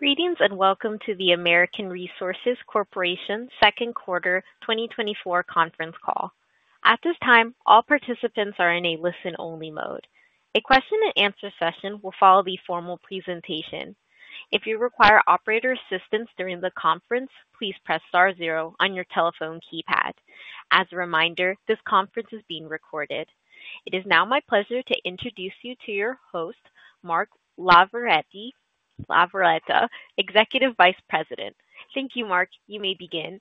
Greetings, and welcome to the American Resources Corporation second quarter twenty twenty-four conference call. At this time, all participants are in a listen-only mode. A question and answer session will follow the formal presentation. If you require operator assistance during the conference, please press star zero on your telephone keypad. As a reminder, this conference is being recorded. It is now my pleasure to introduce you to your host, Mark LaVerghetta, Executive Vice President. Thank you, Mark. You may begin.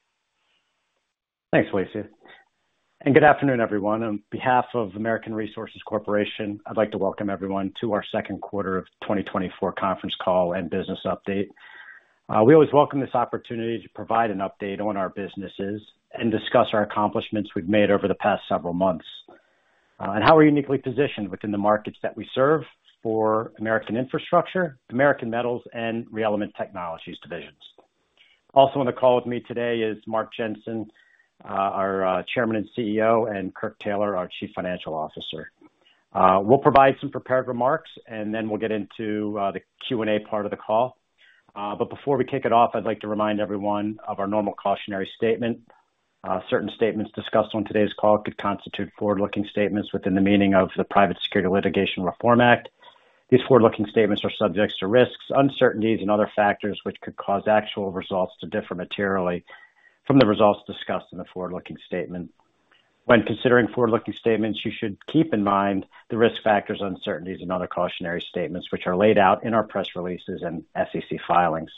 Thanks, Lisa, and good afternoon, everyone. On behalf of American Resources Corporation, I'd like to welcome everyone to our second quarter of twenty twenty-four conference call and business update. We always welcome this opportunity to provide an update on our businesses and discuss our accomplishments we've made over the past several months, and how we're uniquely positioned within the markets that we serve for American Infrastructure, American Metals, and ReElement Technologies divisions. Also, on the call with me today is Mark Jensen, our Chairman and CEO, and Kirk Taylor, our Chief Financial Officer. We'll provide some prepared remarks and then we'll get into the Q&A part of the call. But before we kick it off, I'd like to remind everyone of our normal cautionary statement. Certain statements discussed on today's call could constitute forward-looking statements within the meaning of the Private Securities Litigation Reform Act. These forward-looking statements are subject to risks, uncertainties and other factors which could cause actual results to differ materially from the results discussed in the forward-looking statement. When considering forward-looking statements, you should keep in mind the risk factors, uncertainties and other cautionary statements, which are laid out in our press releases and SEC filings.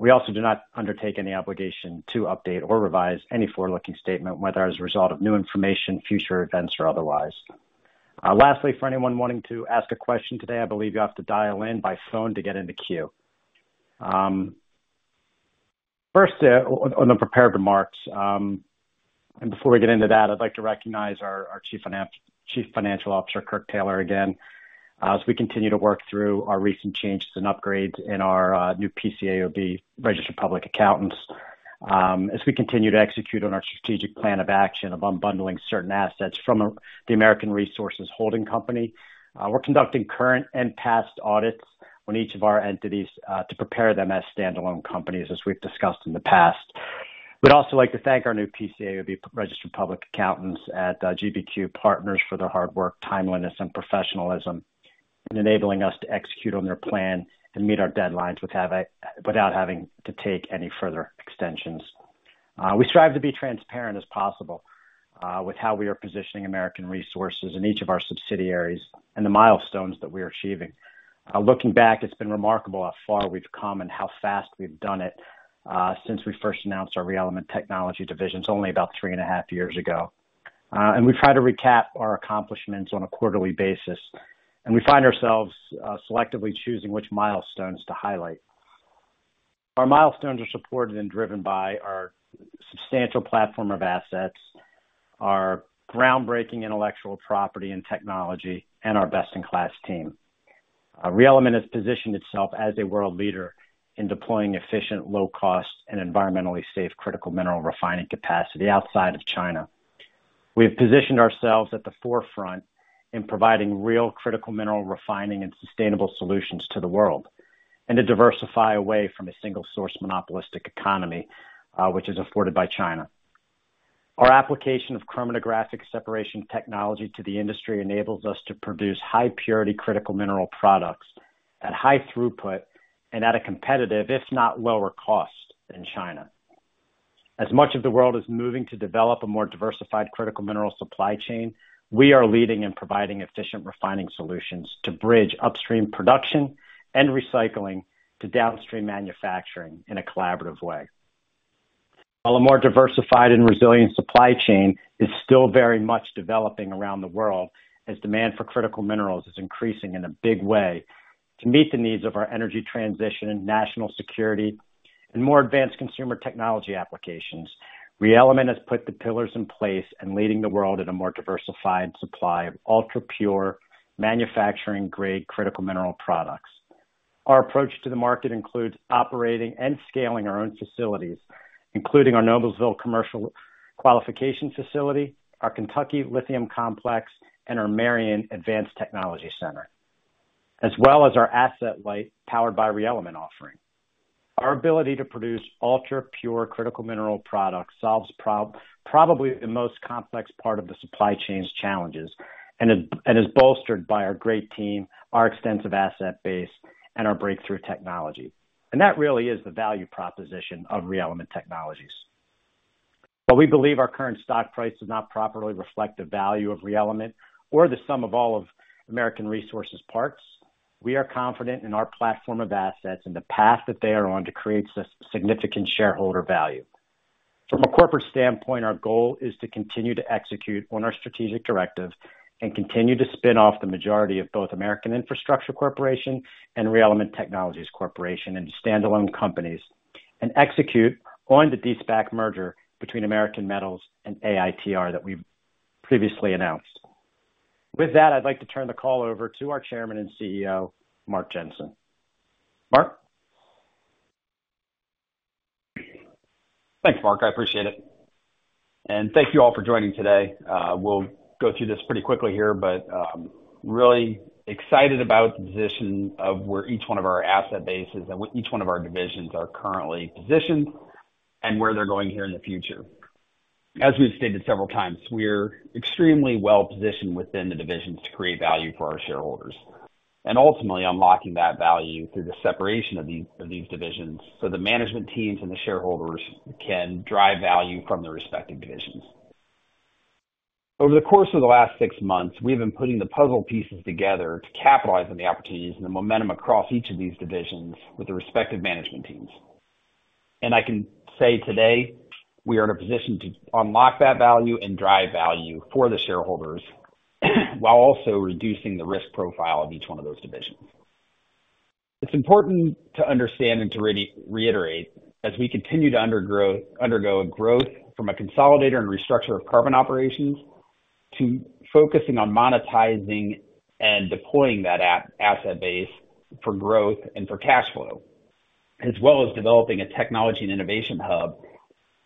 We also do not undertake any obligation to update or revise any forward-looking statement, whether as a result of new information, future events, or otherwise. Lastly, for anyone wanting to ask a question today, I believe you have to dial in by phone to get in the queue. First, on the prepared remarks, and before we get into that, I'd like to recognize our Chief Financial Officer, Kirk Taylor, again, as we continue to work through our recent changes and upgrades in our new PCAOB registered public accountants. As we continue to execute on our strategic plan of action of unbundling certain assets from the American Resources Holding Company, we're conducting current and past audits on each of our entities to prepare them as standalone companies, as we've discussed in the past. We'd also like to thank our new PCAOB registered public accountants at GBQ Partners for their hard work, timeliness and professionalism in enabling us to execute on their plan and meet our deadlines without having to take any further extensions. We strive to be transparent as possible, with how we are positioning American Resources in each of our subsidiaries and the milestones that we are achieving. Looking back, it's been remarkable how far we've come and how fast we've done it, since we first announced our ReElement Technology division. It's only about three and a half years ago, and we've had to recap our accomplishments on a quarterly basis, and we find ourselves, selectively choosing which milestones to highlight. Our milestones are supported and driven by our substantial platform of assets, our groundbreaking intellectual property and technology, and our best-in-class team. ReElement has positioned itself as a world leader in deploying efficient, low cost, and environmentally safe critical mineral refining capacity outside of China. We've positioned ourselves at the forefront in providing real critical mineral refining and sustainable solutions to the world, and to diversify away from a single source, monopolistic economy, which is afforded by China. Our application of chromatographic separation technology to the industry enables us to produce high purity, critical mineral products at high throughput and at a competitive, if not lower cost than China. As much of the world is moving to develop a more diversified critical mineral supply chain, we are leading and providing efficient refining solutions to bridge upstream production and recycling to downstream manufacturing in a collaborative way. While a more diversified and resilient supply chain is still very much developing around the world, as demand for critical minerals is increasing in a big way to meet the needs of our energy transition, national security, and more advanced consumer technology applications, ReElement has put the pillars in place and leading the world in a more diversified supply of ultra-pure, manufacturing-grade, critical mineral products. Our approach to the market includes operating and scaling our own facilities, including our Noblesville Commercial Qualification Facility, our Kentucky Lithium Complex, and our Marion Advanced Technology Center, as well as our asset-light, powered by ReElement offering. Our ability to produce ultra-pure critical mineral products solves probably the most complex part of the supply chain's challenges and is bolstered by our great team, our extensive asset base, and our breakthrough technology. And that really is the value proposition of ReElement Technologies. While we believe our current stock price does not properly reflect the value of ReElement or the sum of all of American Resources parts, we are confident in our platform of assets and the path that they are on to create significant shareholder value. From a corporate standpoint, our goal is to continue to execute on our strategic directive and continue to spin off the majority of both American Infrastructure Corporation and ReElement Technologies Corporation into standalone companies, and execute on the de-SPAC merger between American Metals and AITR that we've previously announced. With that, I'd like to turn the call over to our Chairman and CEO, Mark Jensen. Mark?... Thanks, Mark. I appreciate it. And thank you all for joining today. We'll go through this pretty quickly here, but really excited about the position of where each one of our asset bases and each one of our divisions are currently positioned and where they're going here in the future. As we've stated several times, we're extremely well positioned within the divisions to create value for our shareholders. And ultimately, unlocking that value through the separation of these divisions, so the management teams and the shareholders can drive value from the respective divisions. Over the course of the last six months, we've been putting the puzzle pieces together to capitalize on the opportunities and the momentum across each of these divisions with the respective management teams. And I can say today, we are in a position to unlock that value and drive value for the shareholders, while also reducing the risk profile of each one of those divisions. It's important to understand and to reiterate, as we continue to undergo a growth from a consolidator and restructure of carbon operations, to focusing on monetizing and deploying that asset base for growth and for cash flow, as well as developing a technology and innovation hub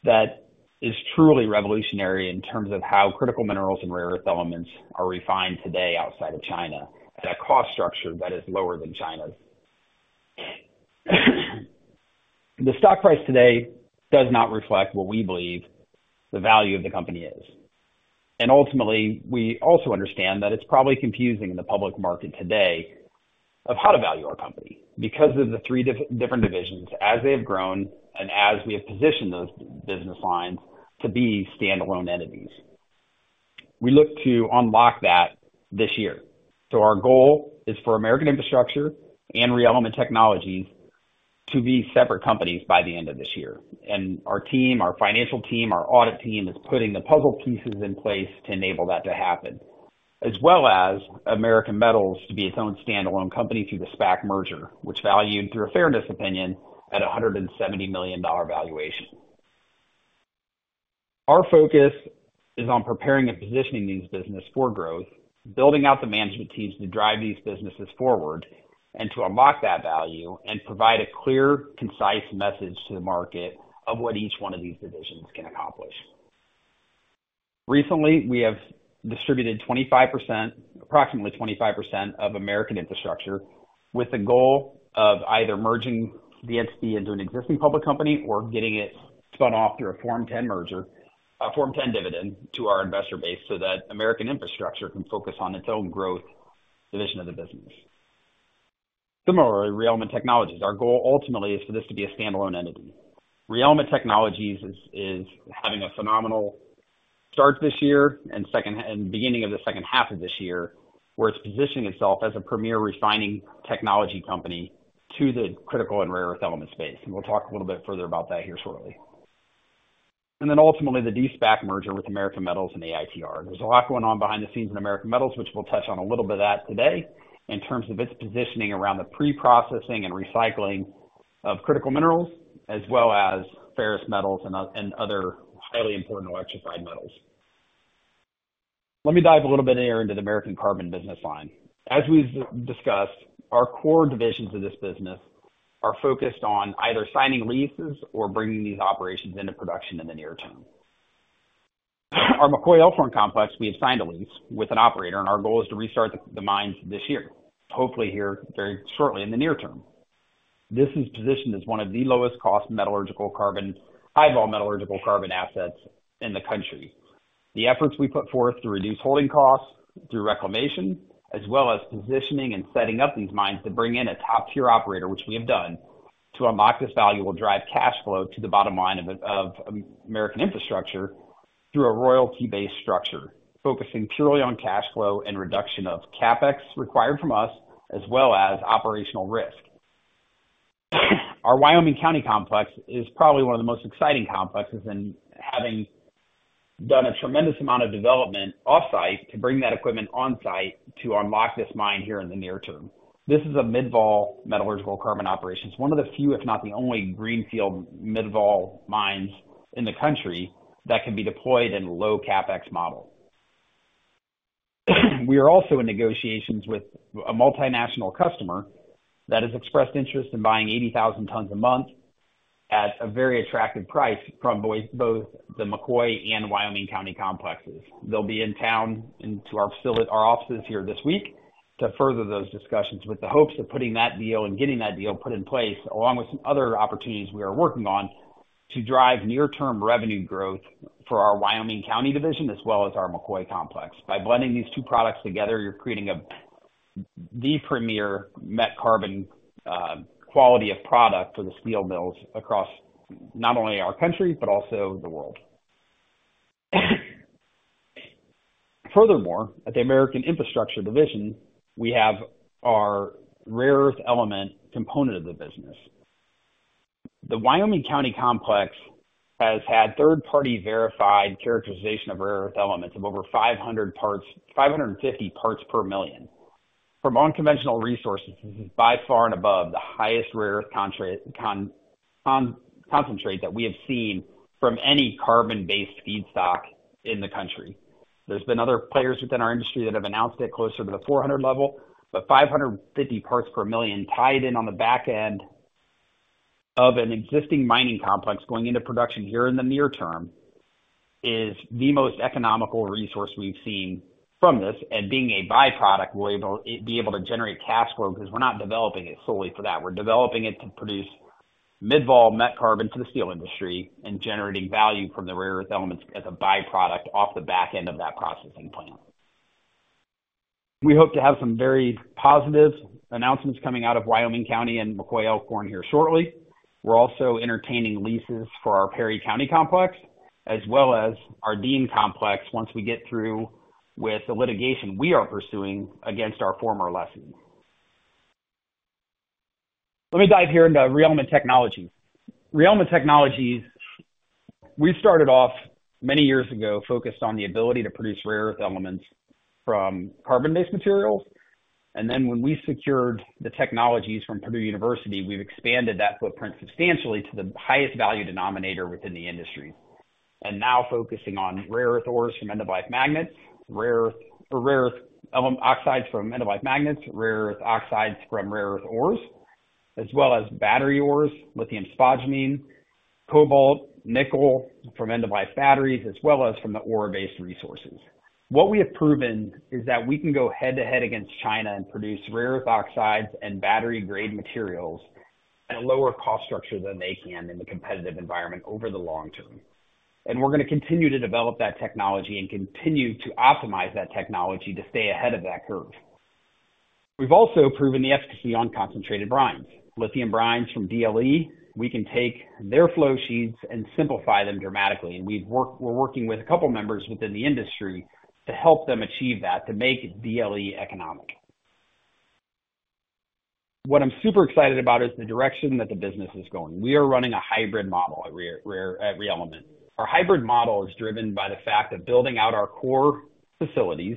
that is truly revolutionary in terms of how critical minerals and rare earth elements are refined today outside of China, at a cost structure that is lower than China's. The stock price today does not reflect what we believe the value of the company is. Ultimately, we also understand that it's probably confusing in the public market today of how to value our company, because of the three different divisions as they have grown and as we have positioned those business lines to be standalone entities. We look to unlock that this year. Our goal is for American Infrastructure and ReElement Technologies to be separate companies by the end of this year. Our team, our financial team, our audit team, is putting the puzzle pieces in place to enable that to happen. As well as American Metals to be its own standalone company through the SPAC merger, which valued, through a fairness opinion, at a $170 million valuation. Our focus is on preparing and positioning these businesses for growth, building out the management teams to drive these businesses forward, and to unlock that value and provide a clear, concise message to the market of what each one of these divisions can accomplish. Recently, we have distributed 25%, approximately 25%, of American Infrastructure, with the goal of either merging the SP into an existing public company or getting it spun off through a Form 10 merger, Form 10 dividend to our investor base, so that American Infrastructure can focus on its own growth division of the business. Similarly, ReElement Technologies. Our goal ultimately is for this to be a standalone entity. ReElement Technologies is having a phenomenal start this year and beginning of the second half of this year, where it's positioning itself as a premier refining technology company to the critical and rare earth element space. We'll talk a little bit further about that here shortly. Ultimately, the de-SPAC merger with American Metals and AITR. There's a lot going on behind the scenes in American Metals, which we'll touch on a little bit of that today, in terms of its positioning around the pre-processing and recycling of critical minerals, as well as ferrous metals and other highly important electrified metals. Let me dive a little bit here into the American Carbon business line. As we've discussed, our core divisions of this business are focused on either signing leases or bringing these operations into production in the near term. Our McCoy Elkhorn Complex, we have signed a lease with an operator, and our goal is to restart the mines this year. Hopefully, here very shortly in the near term. This is positioned as one of the lowest cost metallurgical carbon, high-vol metallurgical carbon assets in the country. The efforts we put forth to reduce holding costs through reclamation, as well as positioning and setting up these mines to bring in a top-tier operator, which we have done, to unlock this value, will drive cash flow to the bottom line of American Infrastructure through a royalty-based structure, focusing purely on cash flow and reduction of CapEx required from us, as well as operational risk. Our Wyoming County complex is probably one of the most exciting complexes in having done a tremendous amount of development off-site to bring that equipment on-site to unlock this mine here in the near term. This is a mid-vol metallurgical carbon operation. It's one of the few, if not the only, greenfield mid-vol mines in the country that can be deployed in low CapEx model. We are also in negotiations with a multinational customer that has expressed interest in buying 80,000 tons a month at a very attractive price from both the McCoy and Wyoming County complexes. They'll be in town into our facility, our offices here this week to further those discussions, with the hopes of putting that deal and getting that deal put in place, along with some other opportunities we are working on, to drive near-term revenue growth for our Wyoming County division, as well as our McCoy Elkhorn complex. By blending these two products together, you're creating the premier met carbon quality of product for the steel mills across not only our country, but also the world. Furthermore, at the American Infrastructure Division, we have our rare earth element component of the business. The Wyoming County complex has had third-party verified characterization of rare earth elements of over 550 parts per million. From unconventional resources, this is by far and above the highest rare earth concentrate that we have seen from any carbon-based feedstock in the country. There's been other players within our industry that have announced it closer to the 400 level, but 550 parts per million tied in on the back end of an existing mining complex going into production here in the near term, is the most economical resource we've seen from this. Being a byproduct, we're able to generate cash flow because we're not developing it solely for that. We're developing it to produce mid-vol metallurgical carbon to the steel industry and generating value from the rare earth elements as a byproduct off the back end of that processing plant. We hope to have some very positive announcements coming out of Wyoming County and McCoy Elkhorn here shortly. We're also entertaining leases for our Perry County complex, as well as our Dean complex, once we get through with the litigation we are pursuing against our former lessee. Let me dive here into ReElement Technologies. ReElement Technologies, we started off many years ago, focused on the ability to produce rare earth elements from carbon-based materials, and then when we secured the technologies from Purdue University, we've expanded that footprint substantially to the highest value denominator within the industry, and now focusing on rare earth ores from end-of-life magnets, rare earth element oxides from end-of-life magnets, rare earth oxides from rare earth ores, as well as battery ores, lithium spodumene, cobalt, nickel from end-of-life batteries, as well as from the ore-based resources. What we have proven is that we can go head-to-head against China and produce rare earth oxides and battery-grade materials at a lower cost structure than they can in the competitive environment over the long term. And we're going to continue to develop that technology and continue to optimize that technology to stay ahead of that curve. We've also proven the efficacy on concentrated brines, lithium brines from DLE. We can take their flow sheets and simplify them dramatically, and we're working with a couple members within the industry to help them achieve that, to make DLE economic. What I'm super excited about is the direction that the business is going. We are running a hybrid model at ReElement. Our hybrid model is driven by the fact that building out our core facilities,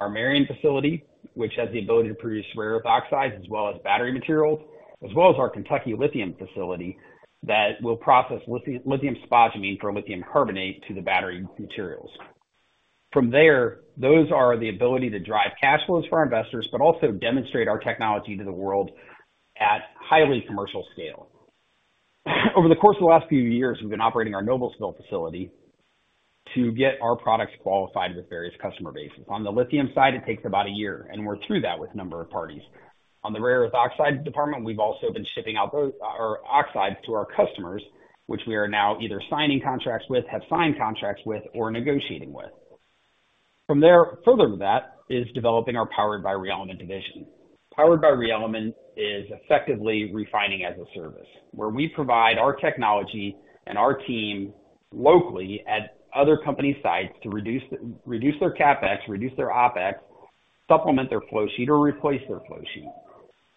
our Marion facility, which has the ability to produce rare earth oxides as well as battery materials, as well as our Kentucky lithium facility, that will process lithium, lithium spodumene from lithium carbonate to the battery materials. From there, those are the ability to drive cash flows for our investors, but also demonstrate our technology to the world at highly commercial scale. Over the course of the last few years, we've been operating our Noblesville facility to get our products qualified with various customer bases. On the lithium side, it takes about a year, and we're through that with a number of parties. On the rare earth oxide department, we've also been shipping out those oxides to our customers, which we are now either signing contracts with, have signed contracts with, or negotiating with. From there, further to that, is developing our Powered by ReElement division. Powered by ReElement is effectively refining as a service, where we provide our technology and our team locally at other company sites to reduce their CapEx, reduce their OpEx, supplement their flow sheet, or replace their flow sheet.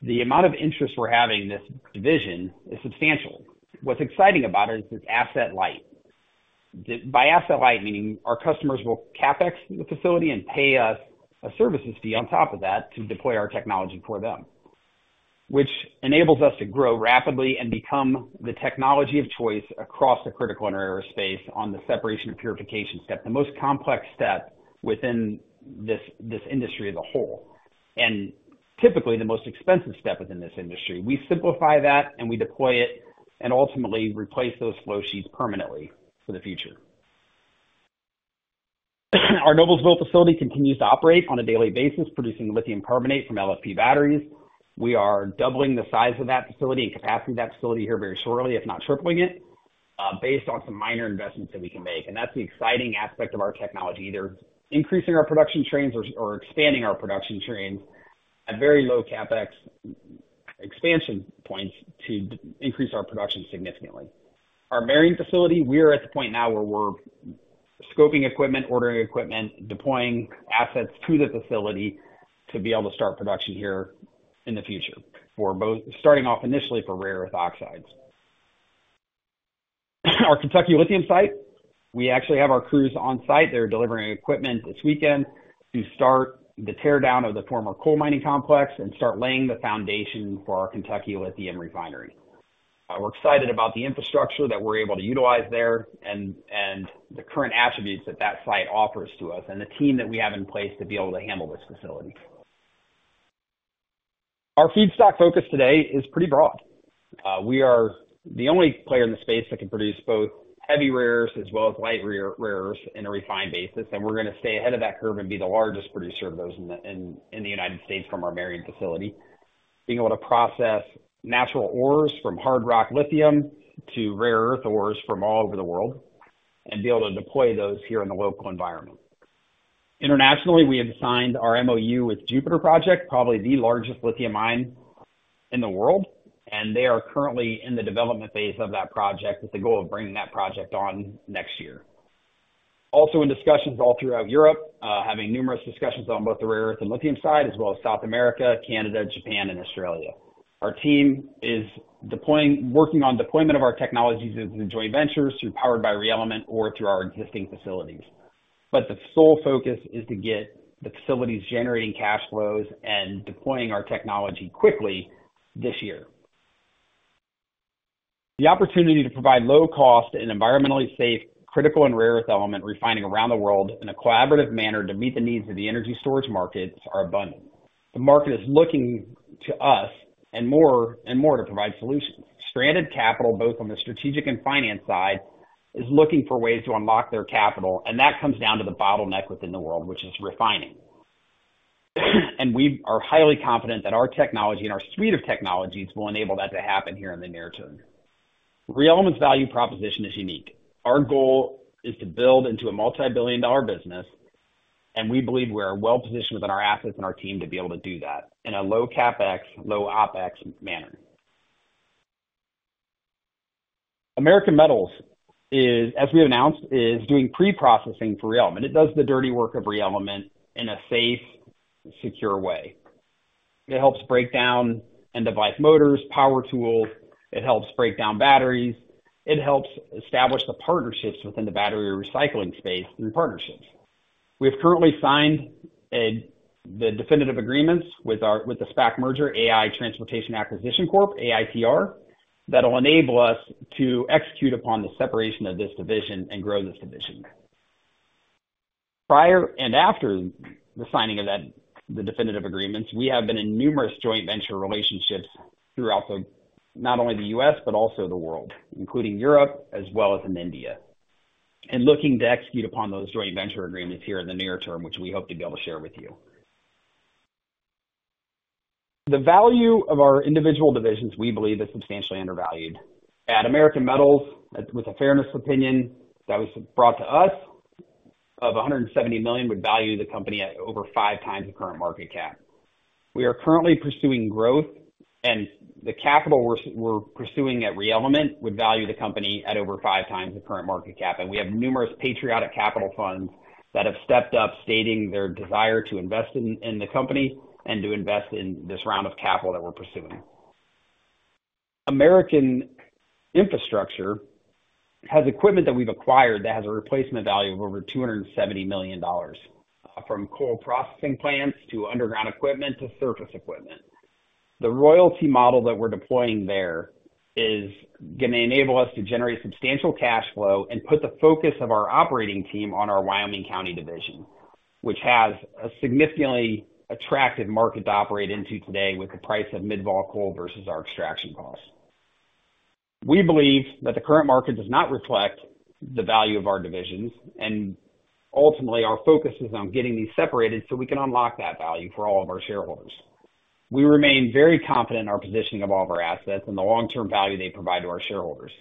The amount of interest we're having in this division is substantial. What's exciting about it is it's asset light. By asset light, meaning our customers will CapEx the facility and pay us a services fee on top of that to deploy our technology for them, which enables us to grow rapidly and become the technology of choice across the critical and rare earth space on the separation and purification step, the most complex step within this industry as a whole, and typically the most expensive step within this industry. We simplify that, and we deploy it and ultimately replace those flow sheets permanently for the future. Our Noblesville facility continues to operate on a daily basis, producing lithium carbonate from LFP batteries. We are doubling the size of that facility and capacity of that facility here very shortly, if not tripling it, based on some minor investments that we can make. And that's the exciting aspect of our technology, either increasing our production trains or expanding our production trains at very low CapEx expansion points to increase our production significantly. Our Marion facility, we are at the point now where we're scoping equipment, ordering equipment, deploying assets to the facility to be able to start production here in the future for both, starting off initially for rare earth oxides. Our Kentucky lithium site, we actually have our crews on site. They're delivering equipment this weekend to start the tear down of the former coal mining complex and start laying the foundation for our Kentucky lithium refinery. We're excited about the infrastructure that we're able to utilize there and the current attributes that that site offers to us, and the team that we have in place to be able to handle this facility. Our feedstock focus today is pretty broad. We are the only player in the space that can produce both heavy rares as well as light rares in a refined basis, and we're going to stay ahead of that curve and be the largest producer of those in the United States from our Marion facility. Being able to process natural ores, from hard rock lithium to rare earth ores from all over the world, and be able to deploy those here in the local environment. Internationally, we have signed our MOU with Jupiter Project, probably the largest lithium mine in the world, and they are currently in the development phase of that project with the goal of bringing that project on next year. Also, in discussions all throughout Europe, having numerous discussions on both the rare earth and lithium side, as well as South America, Canada, Japan, and Australia. Our team is working on deployment of our technologies into joint ventures through Powered by ReElement or through our existing facilities. But the sole focus is to get the facilities generating cash flows and deploying our technology quickly this year. The opportunity to provide low cost and environmentally safe, critical and rare earth element refining around the world in a collaborative manner to meet the needs of the energy storage markets are abundant. The market is looking to us and more and more to provide solutions. Stranded capital, both on the strategic and finance side, is looking for ways to unlock their capital, and that comes down to the bottleneck within the world, which is refining. And we are highly confident that our technology and our suite of technologies will enable that to happen here in the near term. ReElement's value proposition is unique. Our goal is to build into a multi-billion-dollar business, and we believe we are well-positioned within our assets and our team to be able to do that in a low CapEx, low OpEx manner. American Metals is, as we announced, is doing pre-processing for ReElement. It does the dirty work of ReElement in a safe, secure way. It helps break down end-of-life motors, power tools. It helps break down batteries. It helps establish the partnerships within the battery recycling space through partnerships. We have currently signed a, the definitive agreements with our, with the SPAC merger, AI Transportation Acquisition Corp, AITR. That will enable us to execute upon the separation of this division and grow this division. Prior and after the signing of that, the definitive agreements, we have been in numerous joint venture relationships throughout the, not only the U.S., but also the world, including Europe as well as in India, and looking to execute upon those joint venture agreements here in the near term, which we hope to be able to share with you. The value of our individual divisions, we believe, is substantially undervalued. At American Metals, with a fairness opinion that was brought to us of $170 million, would value the company at over five times the current market cap. We are currently pursuing growth, and the capital we're pursuing at ReElement would value the company at over five times the current market cap. We have numerous patriotic capital funds that have stepped up, stating their desire to invest in, in the company and to invest in this round of capital that we're pursuing. American Infrastructure has equipment that we've acquired that has a replacement value of over $270 million, from coal processing plants to underground equipment to surface equipment. The royalty model that we're deploying there is going to enable us to generate substantial cash flow and put the focus of our operating team on our Wyoming County division, which has a significantly attractive market to operate into today with the price of mid-vol coal versus our extraction costs. We believe that the current market does not reflect the value of our divisions, and ultimately our focus is on getting these separated so we can unlock that value for all of our shareholders. We remain very confident in our positioning of all of our assets and the long-term value they provide to our shareholders.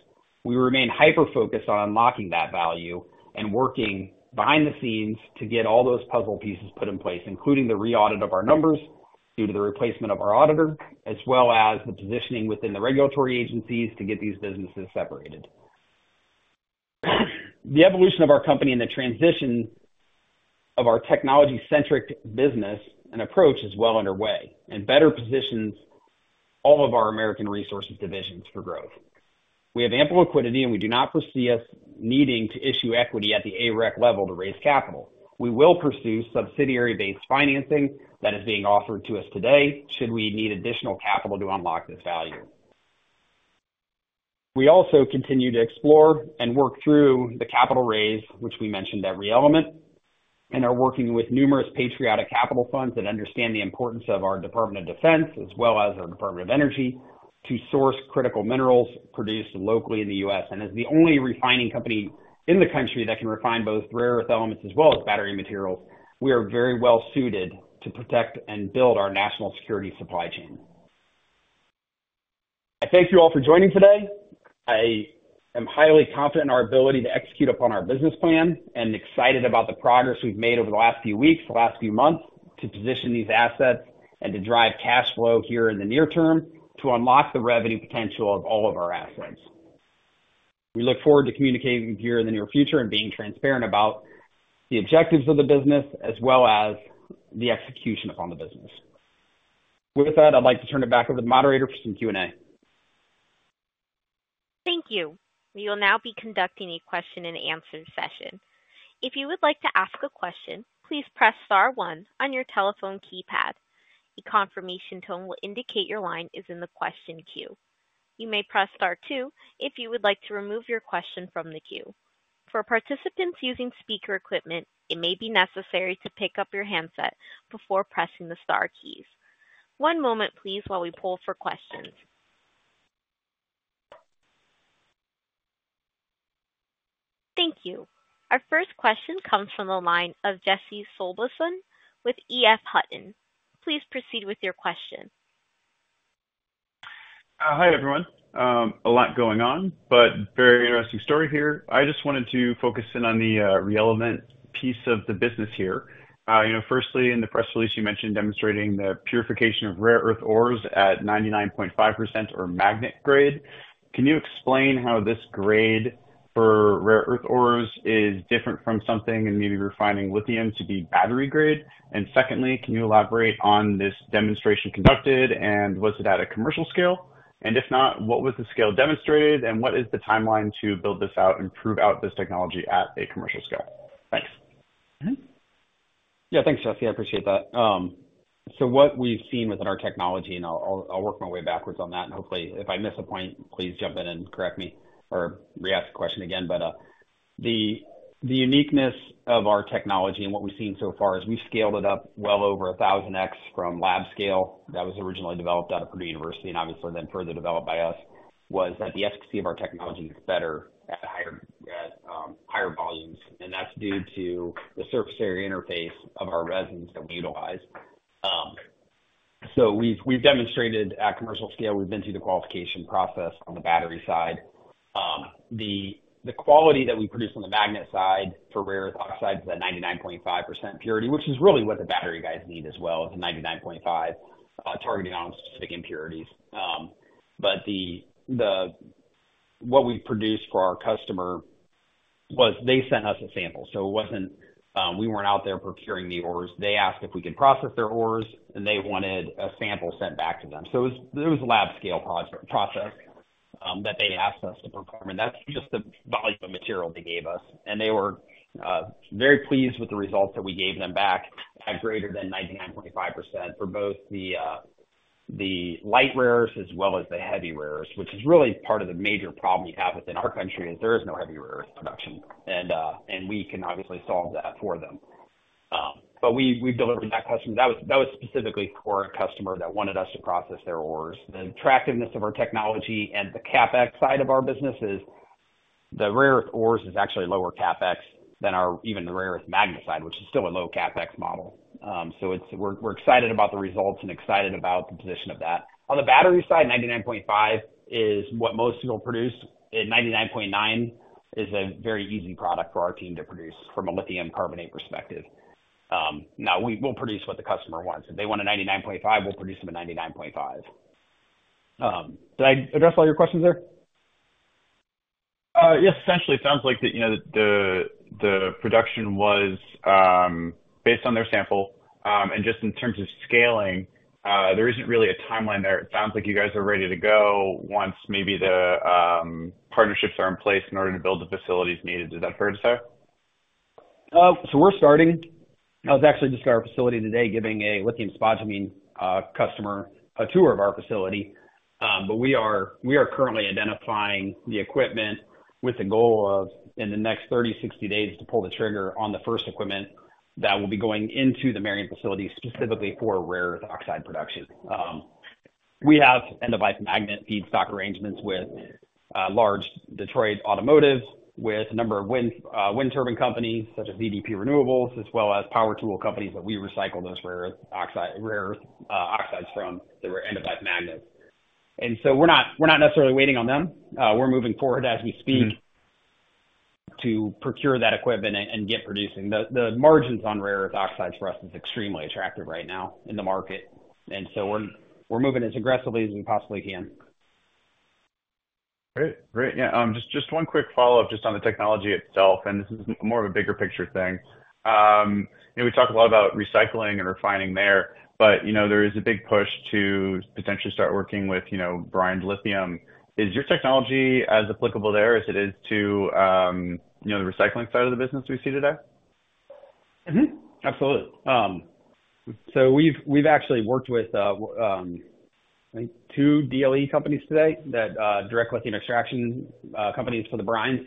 We remain hyper-focused on unlocking that value and working behind the scenes to get all those puzzle pieces put in place, including the re-audit of our numbers due to the replacement of our auditor, as well as the positioning within the regulatory agencies to get these businesses separated. The evolution of our company and the transition of our technology-centric business and approach is well underway and better positions all of our American Resources divisions for growth. We have ample liquidity, and we do not foresee us needing to issue equity at the AREC level to raise capital. We will pursue subsidiary-based financing that is being offered to us today, should we need additional capital to unlock this value. We also continue to explore and work through the capital raise, which we mentioned at ReElement, and are working with numerous patriotic capital funds that understand the importance of our Department of Defense, as well as our Department of Energy, to source critical minerals produced locally in the U.S., and as the only refining company in the country that can refine both rare earth elements as well as battery materials, we are very well suited to protect and build our national security supply chain. I thank you all for joining today. I am highly confident in our ability to execute upon our business plan and excited about the progress we've made over the last few weeks, the last few months, to position these assets and to drive cash flow here in the near term to unlock the revenue potential of all of our assets. We look forward to communicating with you here in the near future and being transparent about the objectives of the business as well as the execution upon the business. With that, I'd like to turn it back over to the moderator for some Q&A. Thank you. We will now be conducting a question and answer session. If you would like to ask a question, please press star one on your telephone keypad. A confirmation tone will indicate your line is in the question queue. You may press star two if you would like to remove your question from the queue. For participants using speaker equipment, it may be necessary to pick up your handset before pressing the star keys. One moment, please, while we poll for questions. Thank you. Our first question comes from the line of Jesse Sobelson with EF Hutton. Please proceed with your question. Hi, everyone. A lot going on, but very interesting story here. I just wanted to focus in on the ReElement piece of the business here. You know, firstly, in the press release, you mentioned demonstrating the purification of rare earth ores at 99.5% or magnet grade. Can you explain how this grade for rare earth ores is different from something and maybe refining lithium to be battery grade? And secondly, can you elaborate on this demonstration conducted, and was it at a commercial scale? And if not, what was the scale demonstrated, and what is the timeline to build this out and prove out this technology at a commercial scale? Thanks.... Yeah, thanks, Jesse. I appreciate that. So what we've seen within our technology, and I'll work my way backwards on that, and hopefully if I miss a point, please jump in and correct me or reask the question again. But the uniqueness of our technology and what we've seen so far is we've scaled it up well over a thousand X from lab scale. That was originally developed out of Purdue University and obviously then further developed by us, was that the efficacy of our technology is better at the higher volumes, and that's due to the surface area interface of our resins that we utilize. So we've demonstrated at commercial scale. We've been through the qualification process on the battery side. The quality that we produce on the magnet side for rare earth oxides is at 99.5% purity, which is really what the battery guys need as well, is the 99.5%, targeting on specific impurities. But what we've produced for our customer was they sent us a sample, so it wasn't, we weren't out there procuring the ores. They asked if we could process their ores, and they wanted a sample sent back to them. So it was a lab scale project process that they asked us to perform, and that's just the volume of material they gave us. They were very pleased with the results that we gave them back at greater than 99.5% for both the light rares as well as the heavy rares, which is really part of the major problem you have within our country, is there is no heavy rare earth production, and we can obviously solve that for them. But we've delivered to that customer. That was specifically for a customer that wanted us to process their ores. The attractiveness of our technology and the CapEx side of our business is the rare earth ores is actually lower CapEx than even our rare earth magnet side, which is still a low CapEx model. So it's. We're excited about the results and excited about the position of that. On the battery side, 99.5 is what most people produce, and 99.9 is a very easy product for our team to produce from a lithium carbonate perspective. Now, we will produce what the customer wants. If they want a 99.5, we'll produce them a 99.5. Did I address all your questions there? Yes, essentially, it sounds like the, you know, the production was based on their sample. And just in terms of scaling, there isn't really a timeline there. It sounds like you guys are ready to go once maybe the partnerships are in place in order to build the facilities needed. Does that fair to say? So we're starting. I was actually just at our facility today, giving a lithium spodumene customer a tour of our facility. But we are currently identifying the equipment with the goal of, in the next 30, 60 days, to pull the trigger on the first equipment that will be going into the Marion facility specifically for rare earth oxide production. We have end-of-life magnet feedstock arrangements with large Detroit Automotive, with a number of wind turbine companies such as BDP Renewables, as well as power tool companies that we recycle those rare earth oxides from the end-of-life magnets. And so we're not necessarily waiting on them. We're moving forward as we speak. Mm-hmm. to procure that equipment and get producing. The margins on rare earth oxides for us is extremely attractive right now in the market, and so we're moving as aggressively as we possibly can. Great. Great. Yeah, just one quick follow-up just on the technology itself, and this is more of a bigger picture thing. You know, we talked a lot about recycling and refining there, but, you know, there is a big push to potentially start working with, you know, brine lithium. Is your technology as applicable there as it is to, you know, the recycling side of the business we see today? Mm-hmm. Absolutely. So we've actually worked with, I think two DLE companies today that direct lithium extraction companies for the brines,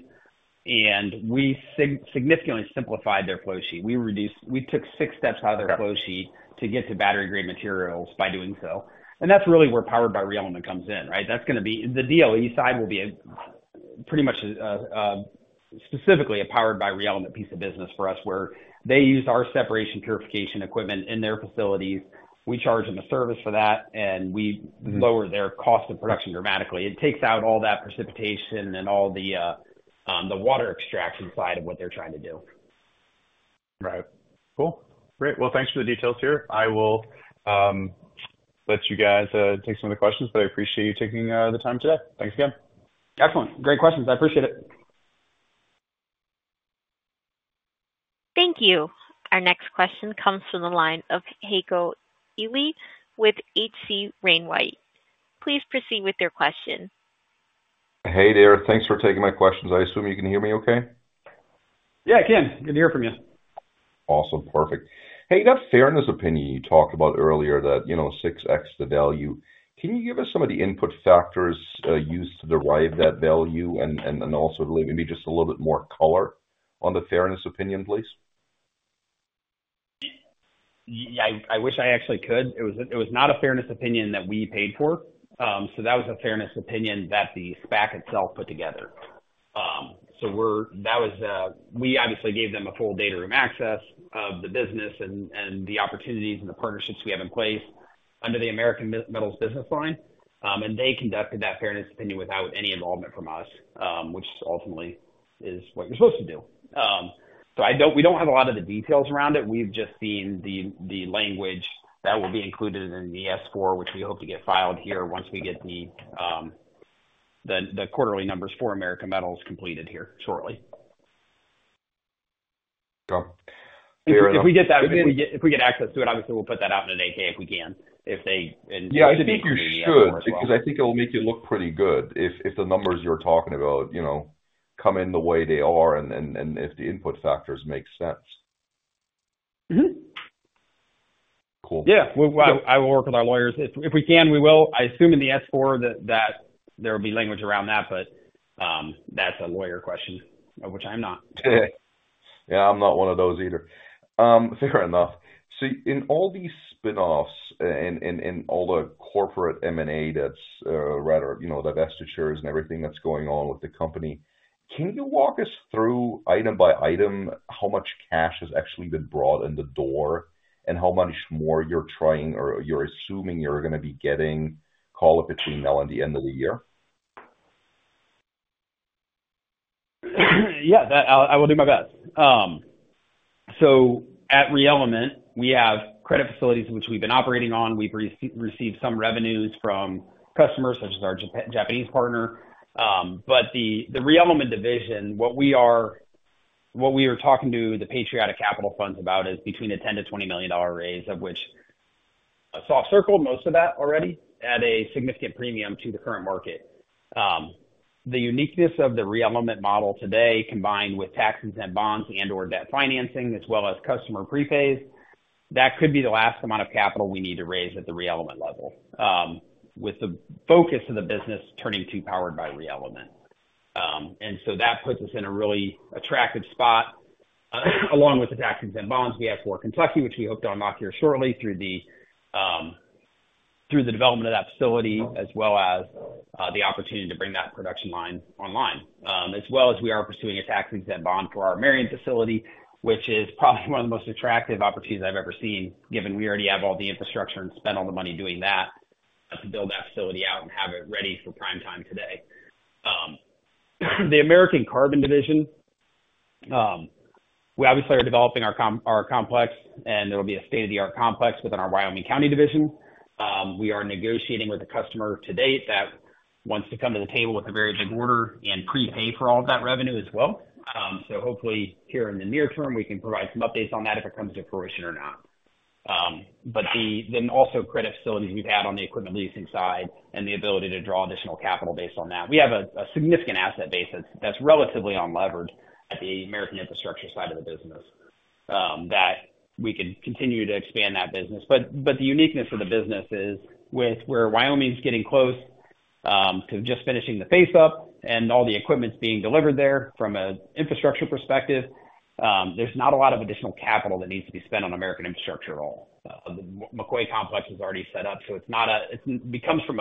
and we significantly simplified their flow sheet. We reduced. We took six steps out of their flow sheet to get to battery-grade materials by doing so. And that's really where Powered by ReElement comes in, right? That's gonna be the DLE side will be a pretty much specifically a Powered by ReElement piece of business for us, where they use our separation purification equipment in their facilities. We charge them a service for that, and we- Mm-hmm. -lower their cost of production dramatically. It takes out all that precipitation and all the water extraction side of what they're trying to do. Right. Cool. Great. Well, thanks for the details here. I will let you guys take some of the questions, but I appreciate you taking the time today. Thanks again. Excellent. Great questions. I appreciate it. Thank you. Our next question comes from the line of Heiko Ihle with H.C. Wainwright. Please proceed with your question. Hey there. Thanks for taking my questions. I assume you can hear me okay? Yeah, I can. Good to hear from you. Awesome. Perfect. Hey, that fairness opinion you talked about earlier, that, you know, six X the value, can you give us some of the input factors used to derive that value? And also maybe just a little bit more color on the fairness opinion, please. I wish I actually could. It was not a fairness opinion that we paid for. That was a fairness opinion that the SPAC itself put together. We obviously gave them a full data room access of the business and the opportunities and the partnerships we have in place under the American Metals business line. They conducted that fairness opinion without any involvement from us, which ultimately is what you're supposed to do. We don't have a lot of the details around it. We've just seen the language that will be included in the S-4, which we hope to get filed here once we get the quarterly numbers for American Metals completed here shortly. Got it. If we get access to it, obviously, we'll put that out in an 8-K, if we can. Yeah, I think you should, because I think it'll make you look pretty good if the numbers you're talking about, you know, come in the way they are and if the input factors make sense? Mm-hmm. Cool. Yeah. Well, I will work with our lawyers. If we can, we will. I assume in the S-4 that there will be language around that, but that's a lawyer question, of which I'm not. Yeah, I'm not one of those either. Fair enough. So in all these spinoffs and all the corporate M&A that's rather, you know, divestitures and everything that's going on with the company, can you walk us through item by item, how much cash has actually been brought in the door and how much more you're trying or you're assuming you're gonna be getting call it between now and the end of the year? Yeah, that I will do my best. So at ReElement, we have credit facilities which we've been operating on. We've received some revenues from customers, such as our Japanese partner. But the ReElement division, what we are talking to the Patriotic Capital Funds about is between the $10 million-$20 million raise, of which I soft circled most of that already at a significant premium to the current market. The uniqueness of the ReElement model today, combined with tax-exempt bonds and/or debt financing, as well as customer prepays, that could be the last amount of capital we need to raise at the ReElement level. With the focus of the business turning to Powered by ReElement. And so that puts us in a really attractive spot, along with the tax-exempt bonds we have for Kentucky, which we hope to unlock here shortly through the development of that facility, as well as the opportunity to bring that production line online, as well as we are pursuing a tax-exempt bond for our Marion facility, which is probably one of the most attractive opportunities I've ever seen, given we already have all the infrastructure and spent all the money doing that to build that facility out and have it ready for prime time today. The American Carbon division, we obviously are developing our complex, and it'll be a state-of-the-art complex within our Wyoming County division. We are negotiating with a customer to date that wants to come to the table with a very big order and prepay for all of that revenue as well. So hopefully here in the near term, we can provide some updates on that if it comes to fruition or not. But then also credit facilities we've had on the equipment leasing side and the ability to draw additional capital based on that. We have a significant asset base that's relatively unlevered at the American Infrastructure side of the business, that we could continue to expand that business. But the uniqueness of the business is with where Wyoming's getting close to just finishing the faceup and all the equipment's being delivered there from an infrastructure perspective, there's not a lot of additional capital that needs to be spent on American Infrastructure at all. The McCoy complex is already set up, so it's not. It comes from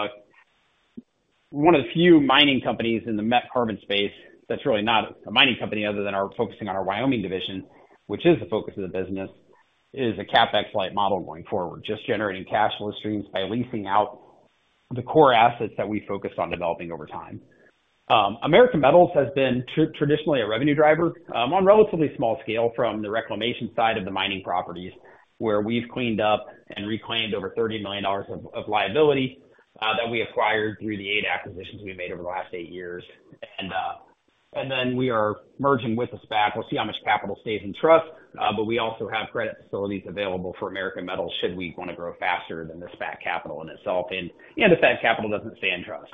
one of the few mining companies in the met carbon space that's really not a mining company other than our focusing on our Wyoming division, which is the focus of the business, is a CapEx-light model going forward. Just generating cash flow streams by leasing out the core assets that we focused on developing over time. American Metals has been traditionally a revenue driver on relatively small scale from the reclamation side of the mining properties, where we've cleaned up and reclaimed over $30 million of liability that we acquired through the eight acquisitions we've made over the last eight years. And then we are merging with the SPAC. We'll see how much capital stays in trust, but we also have credit facilities available for American Metals, should we want to grow faster than the SPAC capital in itself, and the SPAC capital doesn't stay in trust,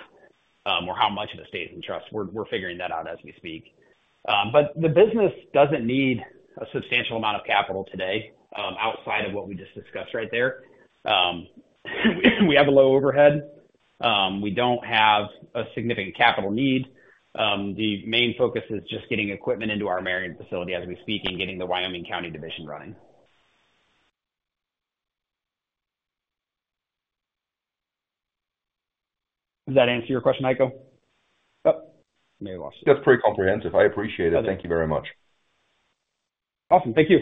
or how much of it stays in trust. We're figuring that out as we speak. But the business doesn't need a substantial amount of capital today, outside of what we just discussed right there. We have a low overhead. We don't have a significant capital need. The main focus is just getting equipment into our Marion facility as we speak and getting the Wyoming County division running. Does that answer your question, Michael? Oh, may have lost you. That's pretty comprehensive. I appreciate it. Okay. Thank you very much. Awesome. Thank you.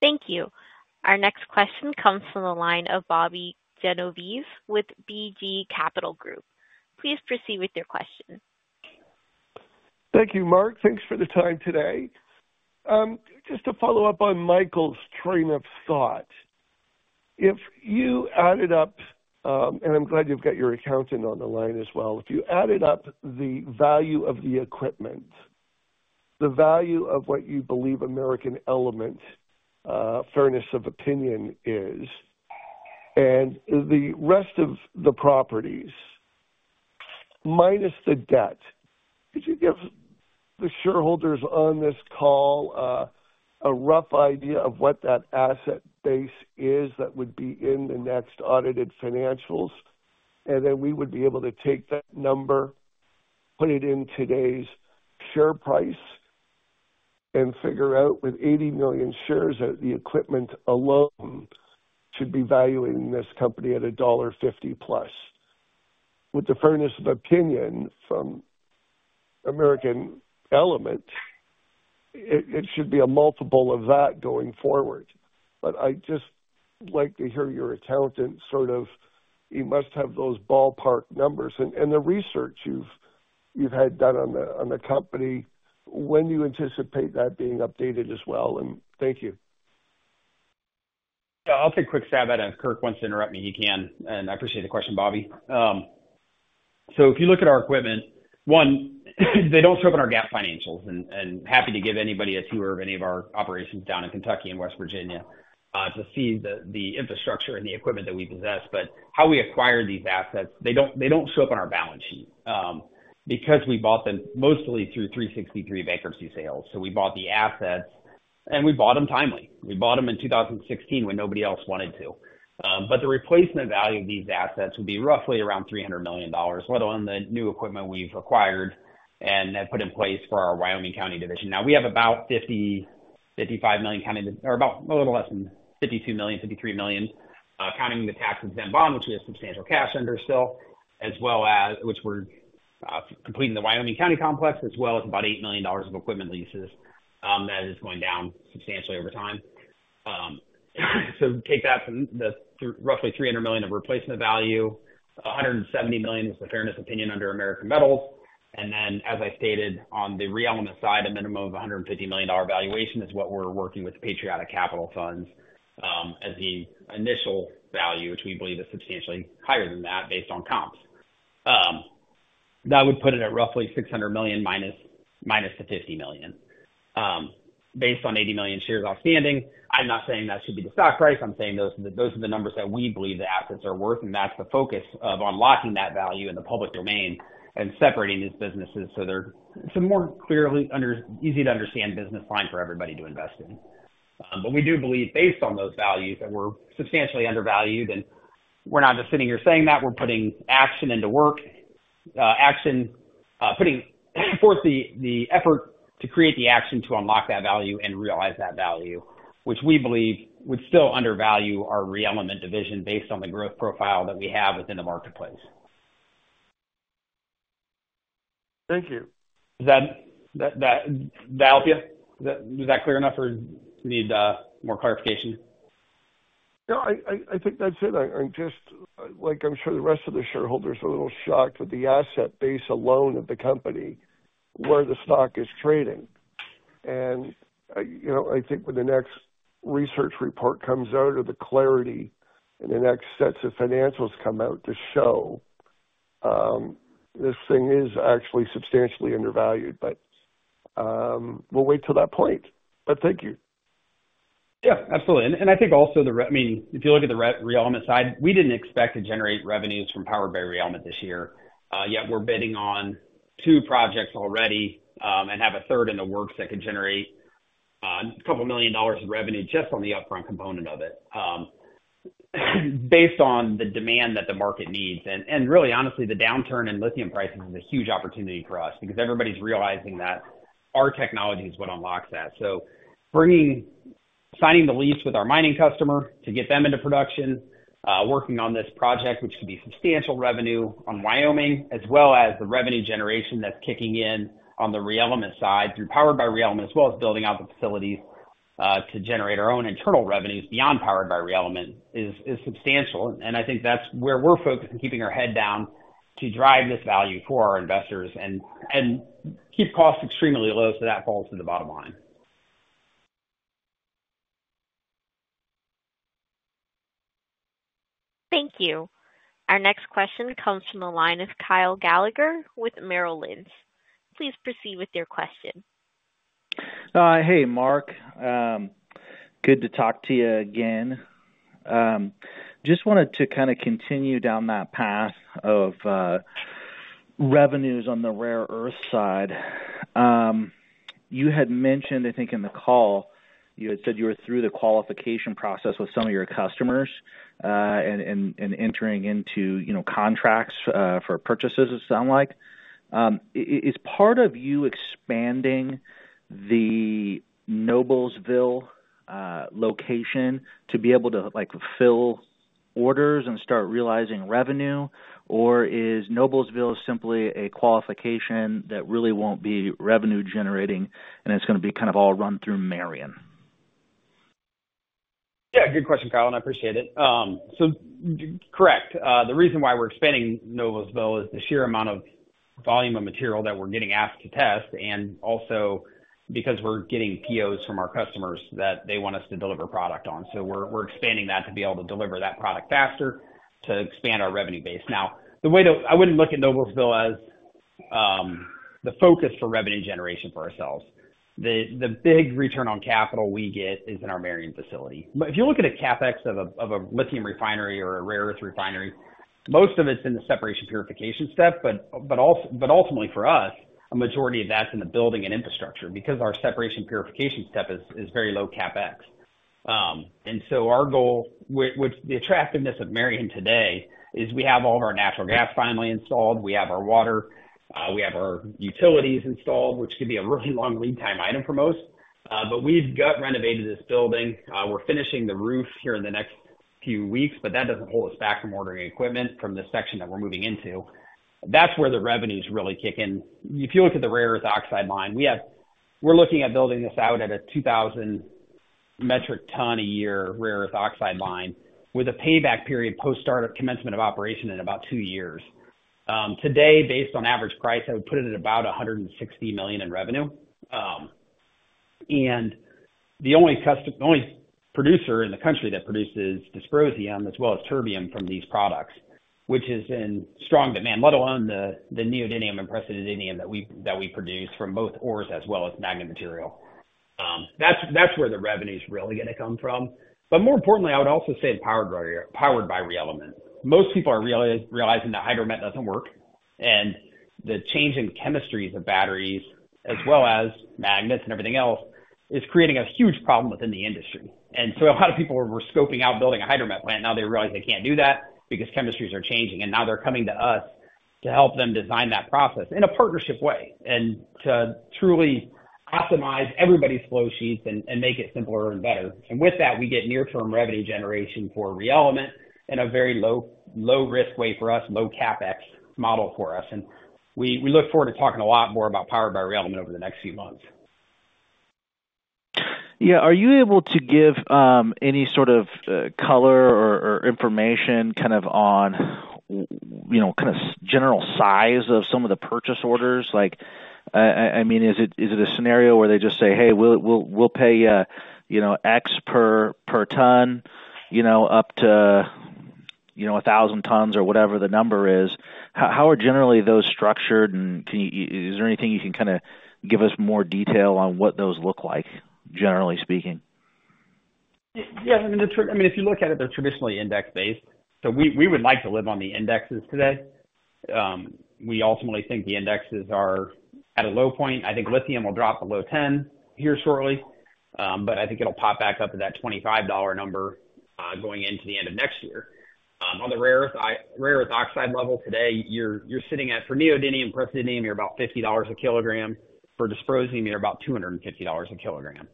Thank you. Our next question comes from the line of Bobby Genovese with BG Capital Group. Please proceed with your question. Thank you, Mark. Thanks for the time today. Just to follow up on Michael's train of thought. If you added up, and I'm glad you've got your accountant on the line as well. If you added up the value of the equipment, the value of what you believe ReElement fairness opinion is, and the rest of the properties minus the debt, could you give the shareholders on this call a rough idea of what that asset base is that would be in the next audited financials? Then we would be able to take that number, put it in today's share price, and figure out with 80 million shares that the equipment alone should be valuing this company at $1.50 plus. With the fairness opinion from ReElement, it should be a multiple of that going forward. But I'd just like to hear your accountant sort of... He must have those ballpark numbers and the research you've had done on the company, when you anticipate that being updated as well, and thank you. Yeah, I'll take a quick stab at it, and if Kirk wants to interrupt me, he can, and I appreciate the question, Bobby. So if you look at our equipment, one, they don't show up in our GAAP financials, and happy to give anybody a tour of any of our operations down in Kentucky and West Virginia, to see the infrastructure and the equipment that we possess. But how we acquire these assets, they don't show up on our balance sheet, because we bought them mostly through 363 bankruptcy sales. So we bought the assets, and we bought them timely. We bought them in 2016 when nobody else wanted to. But the replacement value of these assets would be roughly around $300 million, let alone the new equipment we've acquired and have put in place for our Wyoming County division. Now, we have about 50-55 million, or about a little less than 52 million-53 million, counting the tax-exempt bond, which we have substantial cash under still, as well as which we're completing the Wyoming County Complex, as well as about $8 million of equipment leases, that is going down substantially over time. So take that from the roughly $300 million of replacement value, $170 million was the fairness opinion under American Metals. And then, as I stated, on the ReElement side, a minimum of $150 million valuation is what we're working with Patriotic Capital Funds, as the initial value, which we believe is substantially higher than that based on comps. That would put it at roughly $600 million minus the $50 million, based on 80 million shares outstanding. I'm not saying that should be the stock price. I'm saying those are the numbers that we believe the assets are worth, and that's the focus of unlocking that value in the public domain and separating these businesses so they're some more clearly under easy-to-understand business line for everybody to invest in. But we do believe, based on those values, that we're substantially undervalued, and we're not just sitting here saying that, we're putting action into work. Action putting forth the effort to create the action to unlock that value and realize that value, which we believe would still undervalue our ReElement division based on the growth profile that we have within the marketplace. Thank you. Does that help you? Is that clear enough, or you need more clarification? No, I think that's it. I'm just, like, I'm sure the rest of the shareholders are a little shocked with the asset base alone of the company where the stock is trading, and you know, I think when the next research report comes out, or the clarity in the next sets of financials come out to show this thing is actually substantially undervalued, but we'll wait till that point, but thank you. Yeah, absolutely, and I think also the ReElement side. We didn't expect to generate revenues from Powered by ReElement this year. Yet, we're bidding on two projects already, and have a third in the works that could generate a couple million dollars of revenue just on the upfront component of it, based on the demand that the market needs, and really, honestly, the downturn in lithium pricing is a huge opportunity for us because everybody's realizing that our technology is what unlocks that. So bringing, signing the lease with our mining customer to get them into production, working on this project, which could be substantial revenue on Wyoming, as well as the revenue generation that's kicking in on the ReElement side, through Powered by ReElement, as well as building out the facilities, to generate our own internal revenues beyond Powered by ReElement is substantial. And I think that's where we're focused on keeping our head down to drive this value for our investors and keep costs extremely low so that falls to the bottom line. Thank you. Our next question comes from the line of Kyle Gallagher with Merrill Lynch. Please proceed with your question. Hey, Mark. Good to talk to you again. Just wanted to kind of continue down that path of revenues on the rare earth side. You had mentioned, I think, in the call, you had said you were through the qualification process with some of your customers, and entering into, you know, contracts for purchases, it sounds like. Is part of your expanding the Noblesville location to be able to, like, fulfill orders and start realizing revenue? Or is Noblesville simply a qualification that really won't be revenue generating, and it's gonna be kind of all run through Marion? Yeah, good question, Kyle, and I appreciate it. So correct. The reason why we're expanding Noblesville is the sheer amount of volume of material that we're getting asked to test, and also because we're getting POs from our customers that they want us to deliver product on. So we're expanding that to be able to deliver that product faster, to expand our revenue base. Now, the way that... I wouldn't look at Noblesville as the focus for revenue generation for ourselves. The big return on capital we get is in our Marion facility. But if you look at a CapEx of a lithium refinery or a rare earth refinery, most of it's in the separation purification step, but ultimately for us, a majority of that's in the building and infrastructure because our separation purification step is very low CapEx. And so our goal, which the attractiveness of Marion today, is we have all of our natural gas finally installed. We have our water, we have our utilities installed, which can be a really long lead time item for most. But we've gut renovated this building. We're finishing the roof here in the next few weeks, but that doesn't hold us back from ordering equipment from the section that we're moving into. That's where the revenues really kick in. If you look at the rare earth oxide line, we're looking at building this out at a 2,000 metric ton a year, rare earth oxide line, with a payback period post start of commencement of operation in about two years. Today, based on average price, I would put it at about $160 million in revenue. And the only producer in the country that produces dysprosium as well as terbium from these products, which is in strong demand, let alone the neodymium and praseodymium that we produce from both ores as well as magnet material. That's where the revenue's really gonna come from. But more importantly, I would also say Powered by ReElement. Most people are realizing that hydromet doesn't work, and the change in chemistries of batteries, as well as magnets and everything else, is creating a huge problem within the industry. A lot of people were scoping out building a hydromet plant. Now they realize they can't do that because chemistries are changing, and now they're coming to us to help them design that process in a partnership way, and to truly optimize everybody's flow sheets and make it simpler and better, and with that, we get near-term revenue generation for ReElement in a very low, low-risk way for us, low CapEx model for us, and we look forward to talking a lot more about Powered by ReElement over the next few months. Yeah. Are you able to give any sort of color or information kind of on, you know, kind of general size of some of the purchase orders? Like, I mean, is it a scenario where they just say, "Hey, we'll pay, you know, X per ton, you know, up to a thousand tons," or whatever the number is? How are generally those structured, and can you... Is there anything you can kinda give us more detail on what those look like, generally speaking? Yeah, I mean, I mean, if you look at it, they're traditionally index-based, so we, we would like to live on the indexes today. We ultimately think the indexes are at a low point. I think lithium will drop below 10 here shortly, but I think it'll pop back up to that $25 number, going into the end of next year. On the rare earth oxide level today, you're, you're sitting at, for neodymium and praseodymium, you're about $50 a kilogram. For dysprosium, you're about $250 a kilogram.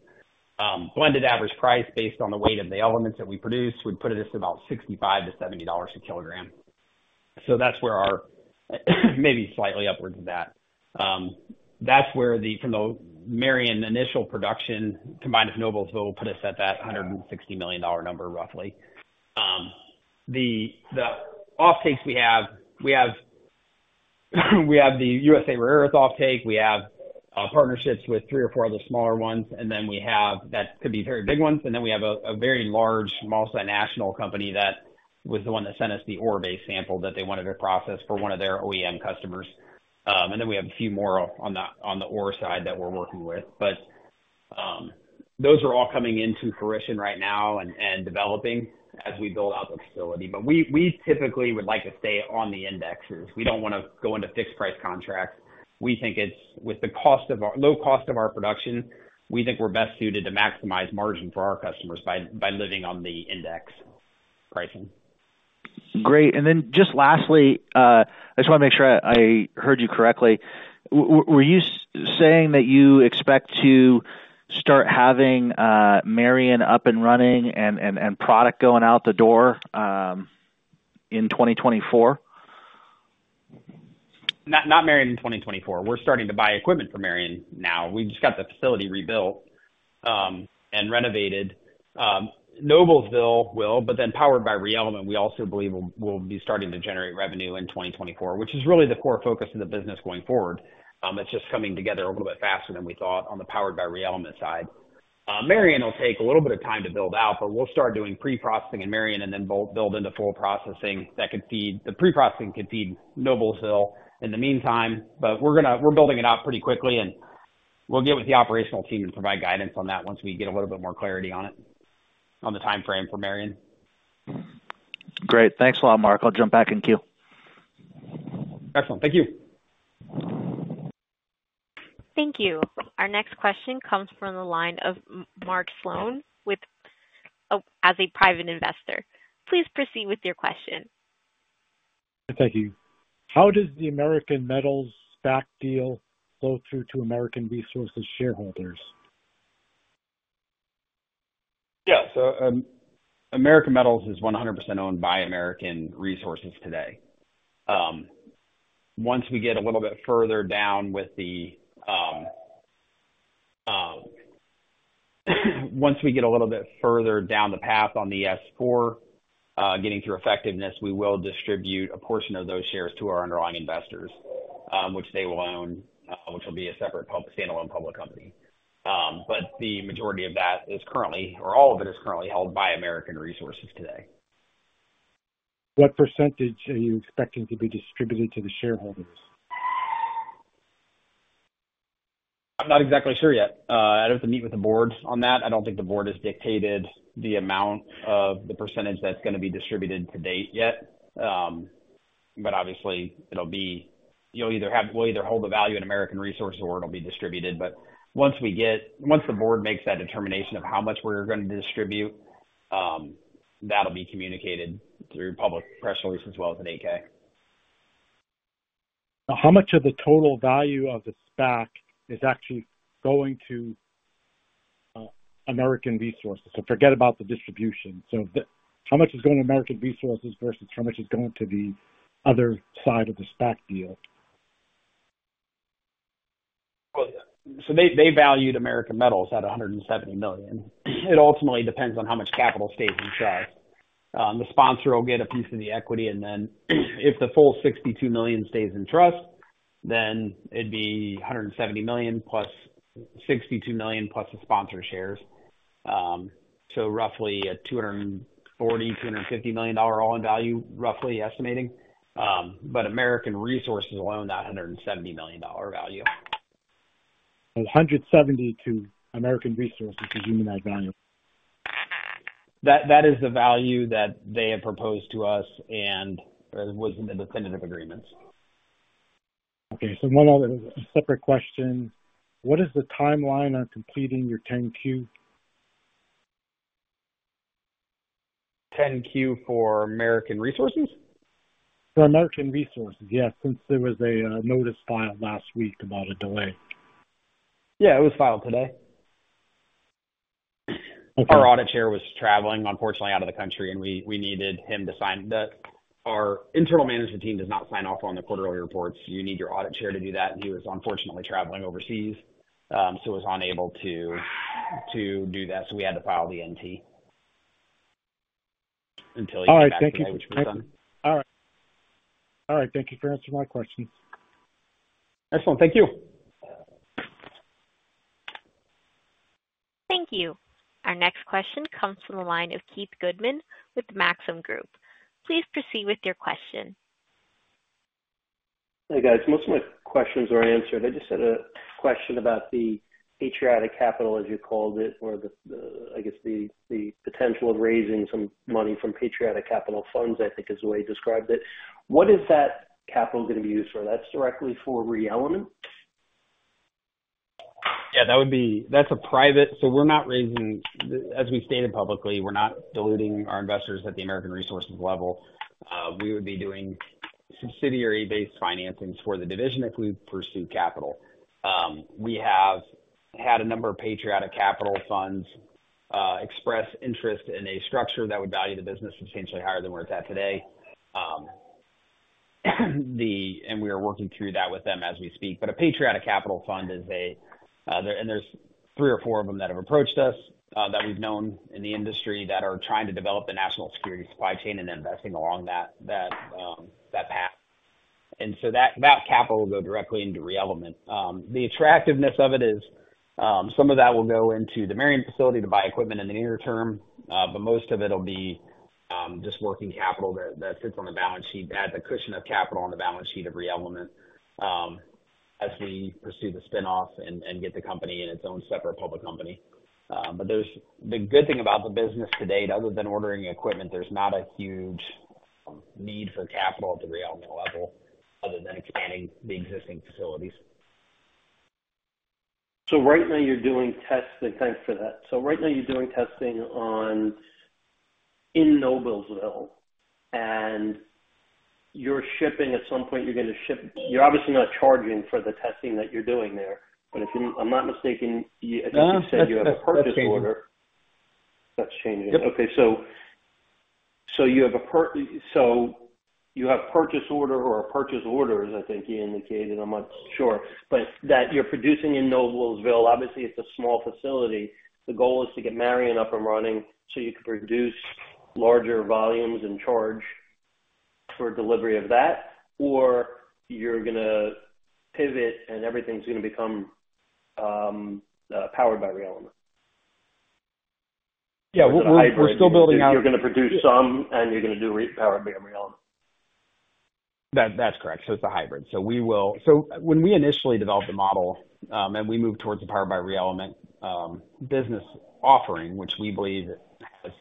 Blended average price based on the weight of the elements that we produce, would put it at about $65-$70 a kilogram. So that's where our, maybe slightly upwards of that. That's where, from the Marion initial production, combined with Noblesville, will put us at that $160 million number, roughly. The offtakes we have, the USA Rare Earth offtake. We have partnerships with three or four other smaller ones, and then we have... That could be very big ones, and then we have a very large multi-national company that was the one that sent us the ore-based sample that they wanted to process for one of their OEM customers. And then we have a few more on the ore side that we're working with. But those are all coming into fruition right now and developing as we build out the facility. But we typically would like to stay on the indexes. We don't want to go into fixed price contracts. We think it's, with the cost of our low cost of our production, we think we're best suited to maximize margin for our customers by living on the index pricing. Great. And then just lastly, I just want to make sure I heard you correctly. Were you saying that you expect to start having Marion up and running and product going out the door in twenty twenty-four? Not Marion in 2024. We're starting to buy equipment for Marion now. We just got the facility rebuilt and renovated. Noblesville will, but then Powered by ReElement, we also believe will be starting to generate revenue in 2024, which is really the core focus of the business going forward. It's just coming together a little bit faster than we thought on the Powered by ReElement side. Marion will take a little bit of time to build out, but we'll start doing pre-processing in Marion and then build into full processing that could feed... The pre-processing could feed Noblesville in the meantime, but we're gonna, we're building it out pretty quickly, and we'll get with the operational team and provide guidance on that once we get a little bit more clarity on it, on the timeframe for Marion. Great. Thanks a lot, Mark. I'll jump back in queue. Excellent. Thank you. Thank you. Our next question comes from the line of Mark Sloan, with... Oh, as a private investor. Please proceed with your question. Thank you. How does the American Metals SPAC deal flow through to American Resources shareholders? Yeah. So, American Metals is 100% owned by American Resources today. Once we get a little bit further down the path on the S-4, getting through effectiveness, we will distribute a portion of those shares to our underlying investors, which they will own, which will be a separate public, standalone public company. But the majority of that is currently, or all of it, is currently held by American Resources today. What percentage are you expecting to be distributed to the shareholders? I'm not exactly sure yet. I'd have to meet with the board on that. I don't think the board has dictated the amount of the percentage that's gonna be distributed to date yet. But obviously, it'll be... We'll either hold the value in American Resources, or it'll be distributed. But once the board makes that determination of how much we're going to distribute, that'll be communicated through public press release as well as an 8-K. Now, how much of the total value of the SPAC is actually going to American Resources? So forget about the distribution. So the, how much is going to American Resources versus how much is going to the other side of the SPAC deal? Well, so they valued American Metals at $170 million. It ultimately depends on how much capital stays in trust. The sponsor will get a piece of the equity, and then, if the full $62 million stays in trust, then it'd be $170 million plus $62 million, plus the sponsor shares. So roughly at $240-$250 million all-in value, roughly estimating. But American Resources alone, that $170 million value. 170 to American Resources is annualized value? That is the value that they have proposed to us and was in the definitive agreements. Okay. So one other separate question. What is the timeline on completing your 10-Q? 10-Q for American Resources? For American Resources, yes, since there was a notice filed last week about a delay. Yeah, it was filed today. Okay. Our audit chair was traveling, unfortunately, out of the country, and we needed him to sign the-- Our internal management team does not sign off on the quarterly reports. You need your audit chair to do that. He was unfortunately traveling overseas, so was unable to do that. So we had to file the NT. Until he- All right. Thank you for answering my questions. Excellent. Thank you. Thank you. Our next question comes from the line of Keith Goodman with Maxim Group. Please proceed with your question. Hey, guys. Most of my questions were answered. I just had a question about the patriotic capital, as you called it, or, I guess, the potential of raising some money from patriotic capital funds, I think, is the way you described it. What is that capital going to be used for? That's directly for ReElement? Yeah, that would be. That's a private. So we're not raising. As we've stated publicly, we're not diluting our investors at the American Resources level. We would be doing subsidiary-based financings for the division if we pursue capital. We have had a number of patriotic capital funds express interest in a structure that would value the business substantially higher than where it's at today. We are working through that with them as we speak. But a patriotic capital fund is a, and there's three or four of them that have approached us, that we've known in the industry that are trying to develop a national security supply chain and investing along that path. So that capital will go directly into ReElement. The attractiveness of it is, some of that will go into the Marion facility to buy equipment in the near term, but most of it'll be, just working capital that sits on the balance sheet, to add the cushion of capital on the balance sheet of ReElement, as we pursue the spin-off and get the company in its own separate public company. But there's the good thing about the business to date, other than ordering equipment, there's not a huge need for capital at the ReElement level other than expanding the existing facilities. So right now you're doing testing. Thanks for that. So right now you're doing testing on in Noblesville, and you're shipping. At some point you're going to ship. You're obviously not charging for the testing that you're doing there, but if I'm not mistaken, you said you have a purchase order. That's changing. Okay. So you have a purchase order, as I think you indicated. I'm not sure, but that you're producing in Noblesville. Obviously, it's a small facility. The goal is to get Marion up and running so you can produce larger volumes and charge for delivery of that, or you're gonna pivot and everything's going to become powered by ReElement? Yeah, we're still building out- You're gonna produce some, and you're gonna do Powered by ReElement. That, that's correct. So it's a hybrid. So when we initially developed the model, and we moved towards the Powered by ReElement business offering, which we believe has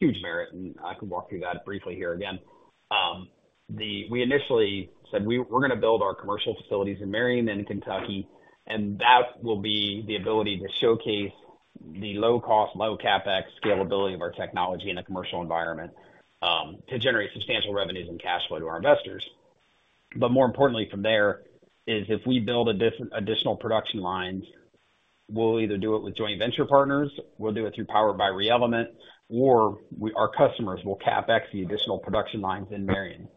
huge merit, and I can walk through that briefly here again. We initially said, we're gonna build our commercial facilities in Marion and in Kentucky, and that will be the ability to showcase the low cost, low CapEx scalability of our technology in a commercial environment, to generate substantial revenues and cash flow to our investors. But more importantly from there is if we build additional production lines, we'll either do it with joint venture partners, we'll do it through Powered by ReElement, or our customers will CapEx the additional production lines in Marion.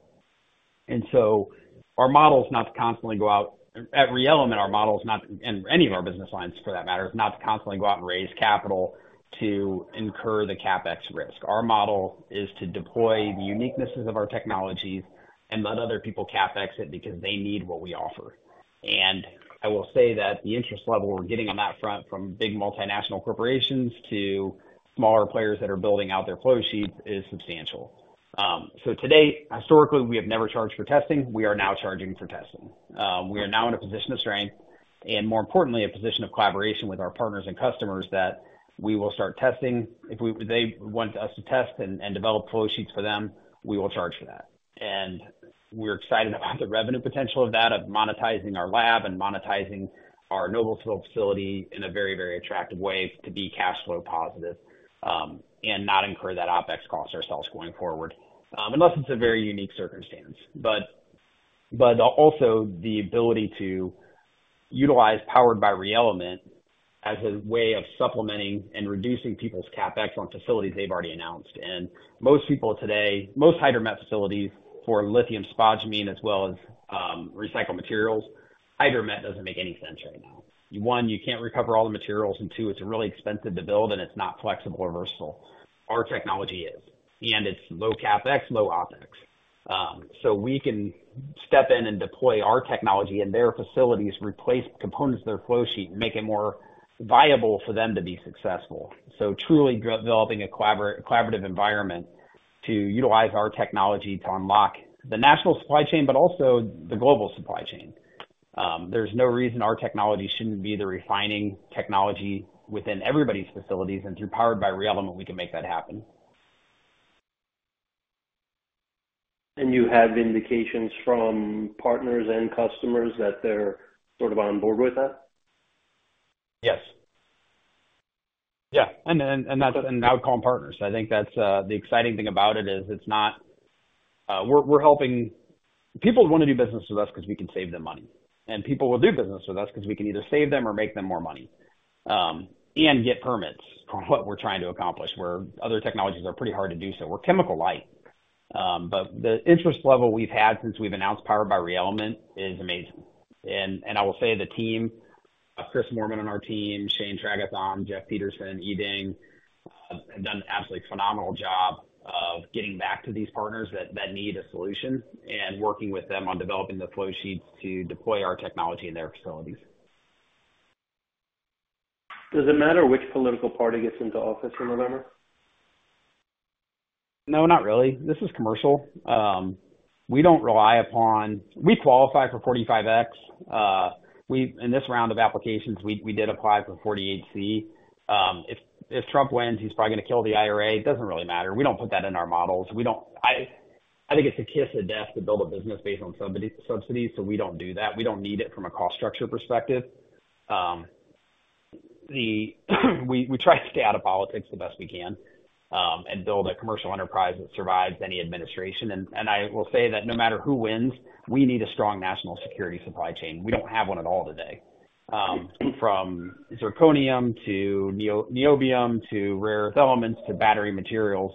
At ReElement our model is not, and any of our business lines for that matter, is not to constantly go out and raise capital to incur the CapEx risk. Our model is to deploy the uniquenesses of our technologies and let other people CapEx it because they need what we offer. I will say that the interest level we're getting on that front, from big multinational corporations to smaller players that are building out their flow sheets, is substantial. To date, historically, we have never charged for testing. We are now charging for testing. We are now in a position of strength and more importantly, a position of collaboration with our partners and customers that we will start testing. If they want us to test and develop flow sheets for them, we will charge for that. And we're excited about the revenue potential of that, of monetizing our lab and monetizing our Noblesville facility in a very, very attractive way to be cash flow positive, and not incur that OpEx cost ourselves going forward, unless it's a very unique circumstance. But also the ability to utilize Powered by ReElement as a way of supplementing and reducing people's CapEx on facilities they've already announced. And most people today, most hydromet facilities for lithium spodumene as well as recycled materials, hydromet doesn't make any sense right now. One, you can't recover all the materials, and two, it's really expensive to build and it's not flexible or versatile. Our technology is, and it's low CapEx, low OpEx... So we can step in and deploy our technology in their facilities, replace components of their flow sheet, make it more viable for them to be successful. So truly developing a collaborative environment to utilize our technology to unlock the national supply chain, but also the global supply chain. There's no reason our technology shouldn't be the refining technology within everybody's facilities, and through Powered by ReElement, we can make that happen. You have indications from partners and customers that they're sort of on board with that? Yes. Yeah, and that's and I would call them partners. I think that's the exciting thing about it is it's not we're helping. People want to do business with us because we can save them money, and people will do business with us because we can either save them or make them more money, and get permits for what we're trying to accomplish, where other technologies are pretty hard to do so. We're chemical light. But the interest level we've had since we've announced Powered by ReElement is amazing. And I will say the team, Chris Moorman on our team, Shane Tregarthen, Jeff Peterson, and Yi Ding, have done an absolutely phenomenal job of getting back to these partners that need a solution and working with them on developing the flow sheets to deploy our technology in their facilities. Does it matter which political party gets into office in November? No, not really. This is commercial. We don't rely upon. We qualify for 45X. In this round of applications, we did apply for 48C. If Trump wins, he's probably going to kill the IRA. It doesn't really matter. We don't put that in our models. We don't. I think it's a kiss of death to build a business based on subsidies, so we don't do that. We don't need it from a cost structure perspective. We try to stay out of politics the best we can, and build a commercial enterprise that survives any administration, and I will say that no matter who wins, we need a strong national security supply chain. We don't have one at all today. From zirconium to neo, niobium, to rare elements, to battery materials,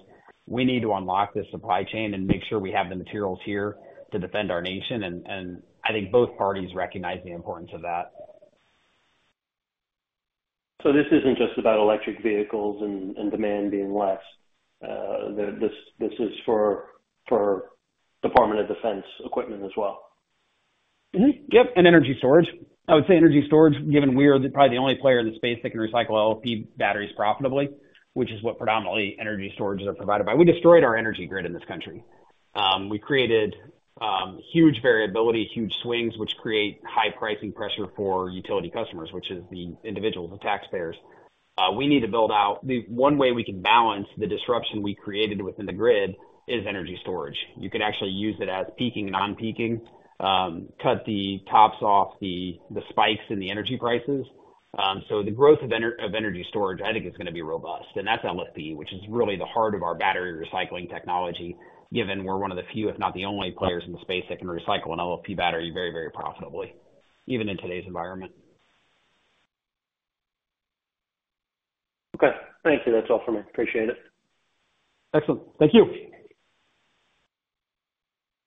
we need to unlock the supply chain and make sure we have the materials here to defend our nation. And I think both parties recognize the importance of that. So this isn't just about electric vehicles and demand being less, this is for Department of Defense equipment as well? Mm-hmm. Yep, and energy storage. I would say energy storage, given we're probably the only player in the space that can recycle LFP batteries profitably, which is what predominantly energy storages are provided by. We destroyed our energy grid in this country. We created huge variability, huge swings, which create high pricing pressure for utility customers, which is the individuals, the taxpayers. We need to build out. The one way we can balance the disruption we created within the grid is energy storage. You can actually use it as peaking, non-peaking, cut the tops off the spikes in the energy prices. So the growth of energy storage, I think it's going to be robust, and that's LFP, which is really the heart of our battery recycling technology, given we're one of the few, if not the only, players in the space that can recycle an LFP battery very, very profitably, even in today's environment. Okay, thank you. That's all for me. Appreciate it. Excellent. Thank you.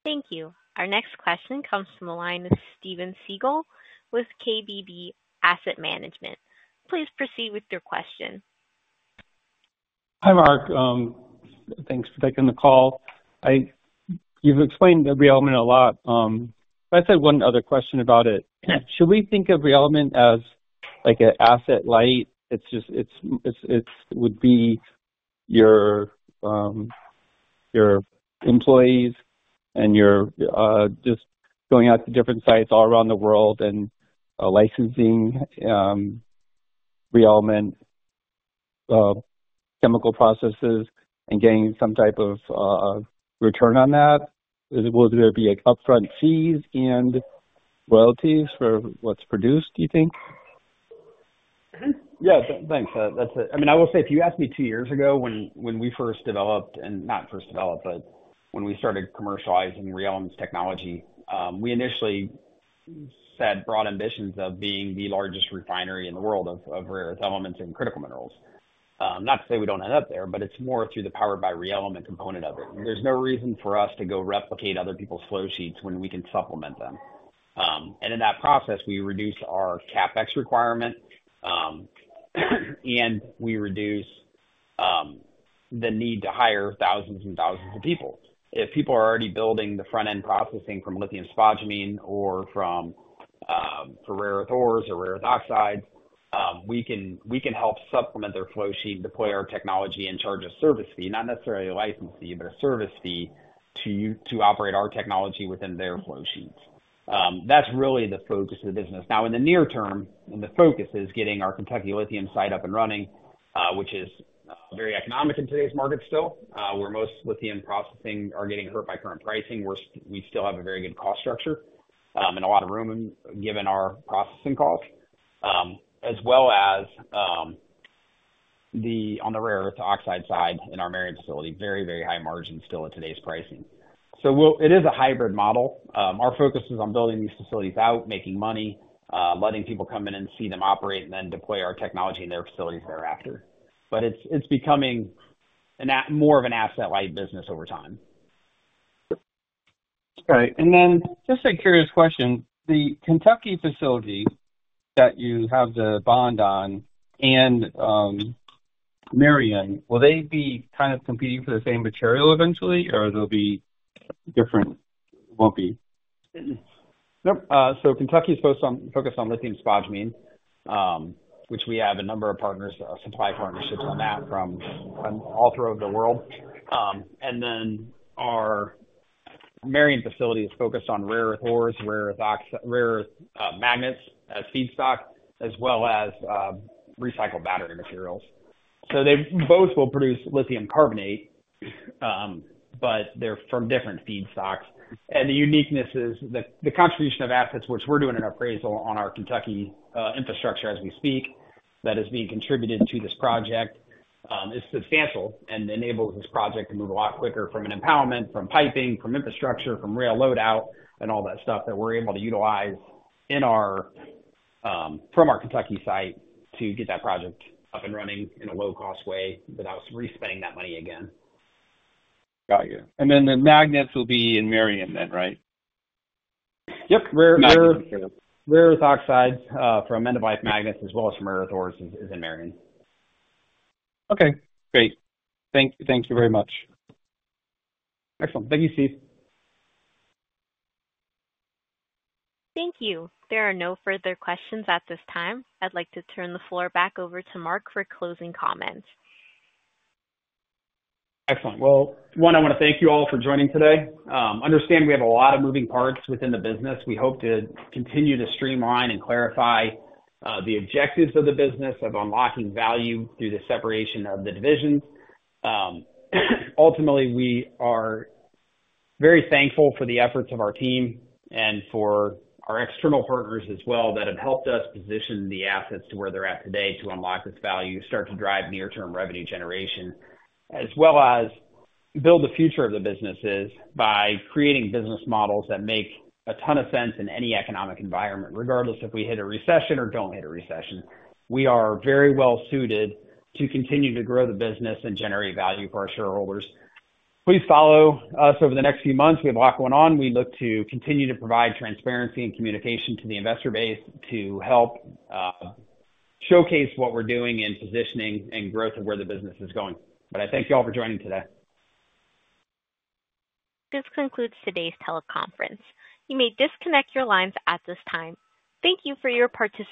Thank you. Our next question comes from the line with Steven Segal with KBB Asset Management. Please proceed with your question. Hi, Mark. Thanks for taking the call. You've explained the ReElement a lot, but I had one other question about it. Should we think of ReElement as like an asset light? It's just, it would be your employees and you just going out to different sites all around the world and licensing ReElement chemical processes and getting some type of return on that? Would there be, like, upfront fees and royalties for what's produced, do you think? Yeah, thanks. That's it. I mean, I will say, if you asked me two years ago when we first developed, and not first developed, but when we started commercializing ReElement's technology, we initially set broad ambitions of being the largest refinery in the world of rare elements and critical minerals. Not to say we don't end up there, but it's more through the Powered by ReElement component of it. There's no reason for us to go replicate other people's flow sheets when we can supplement them. And in that process, we reduce our CapEx requirement, and we reduce the need to hire thousands and thousands of people. If people are already building the front-end processing from lithium spodumene or from rare earths or rare earth oxides, we can help supplement their flow sheet, deploy our technology, and charge a service fee. Not necessarily a license fee, but a service fee to operate our technology within their flow sheets. That's really the focus of the business. Now, in the near term, the focus is getting our Kentucky lithium site up and running, which is very economic in today's market still. Where most lithium processing are getting hurt by current pricing, we still have a very good cost structure, and a lot of room, given our processing costs. As well as on the rare earth oxide side in our Marion facility, very, very high margin still at today's pricing. It is a hybrid model. Our focus is on building these facilities out, making money, letting people come in and see them operate, and then deploy our technology in their facilities thereafter. But it's becoming more of an asset light business over time. All right. And then, just a curious question: the Kentucky facility that you have the bond on and,... Marion, will they be kind of competing for the same material eventually or they'll be different? Won't be. Nope. So Kentucky is focused on lithium spodumene, which we have a number of partners or supply partnerships on that from all throughout the world. And then our Marion facility is focused on rare earth ores, rare earth oxides, rare earth magnets as feedstock, as well as recycled battery materials, so they both will produce lithium carbonate, but they're from different feedstocks. And the uniqueness is the contribution of assets, which we're doing an appraisal on our Kentucky infrastructure as we speak, that is being contributed to this project, is substantial and enables this project to move a lot quicker from an environmental, from piping, from infrastructure, from rail load out and all that stuff that we're able to utilize from our Kentucky site to get that project up and running in a low-cost way without re-spending that money again. Got you. And then the magnets will be in Marion then, right? Yep. Rare earth oxide for permanent magnets as well as for rare earth ores is in Marion. Okay, great. Thank you very much. Excellent. Thank you, Steve. Thank you. There are no further questions at this time. I'd like to turn the floor back over to Mark for closing comments. Excellent. Well, one, I want to thank you all for joining today. I understand we have a lot of moving parts within the business. We hope to continue to streamline and clarify, the objectives of the business of unlocking value through the separation of the divisions. Ultimately, we are very thankful for the efforts of our team and for our external partners as well, that have helped us position the assets to where they're at today to unlock this value, start to drive near-term revenue generation. As well as build the future of the businesses by creating business models that make a ton of sense in any economic environment. Regardless if we hit a recession or don't hit a recession, we are very well suited to continue to grow the business and generate value for our shareholders. Please follow us over the next few months. We have a lot going on. We look to continue to provide transparency and communication to the investor base to help showcase what we're doing in positioning and growth of where the business is going. But I thank you all for joining today. This concludes today's teleconference. You may disconnect your lines at this time. Thank you for your participation.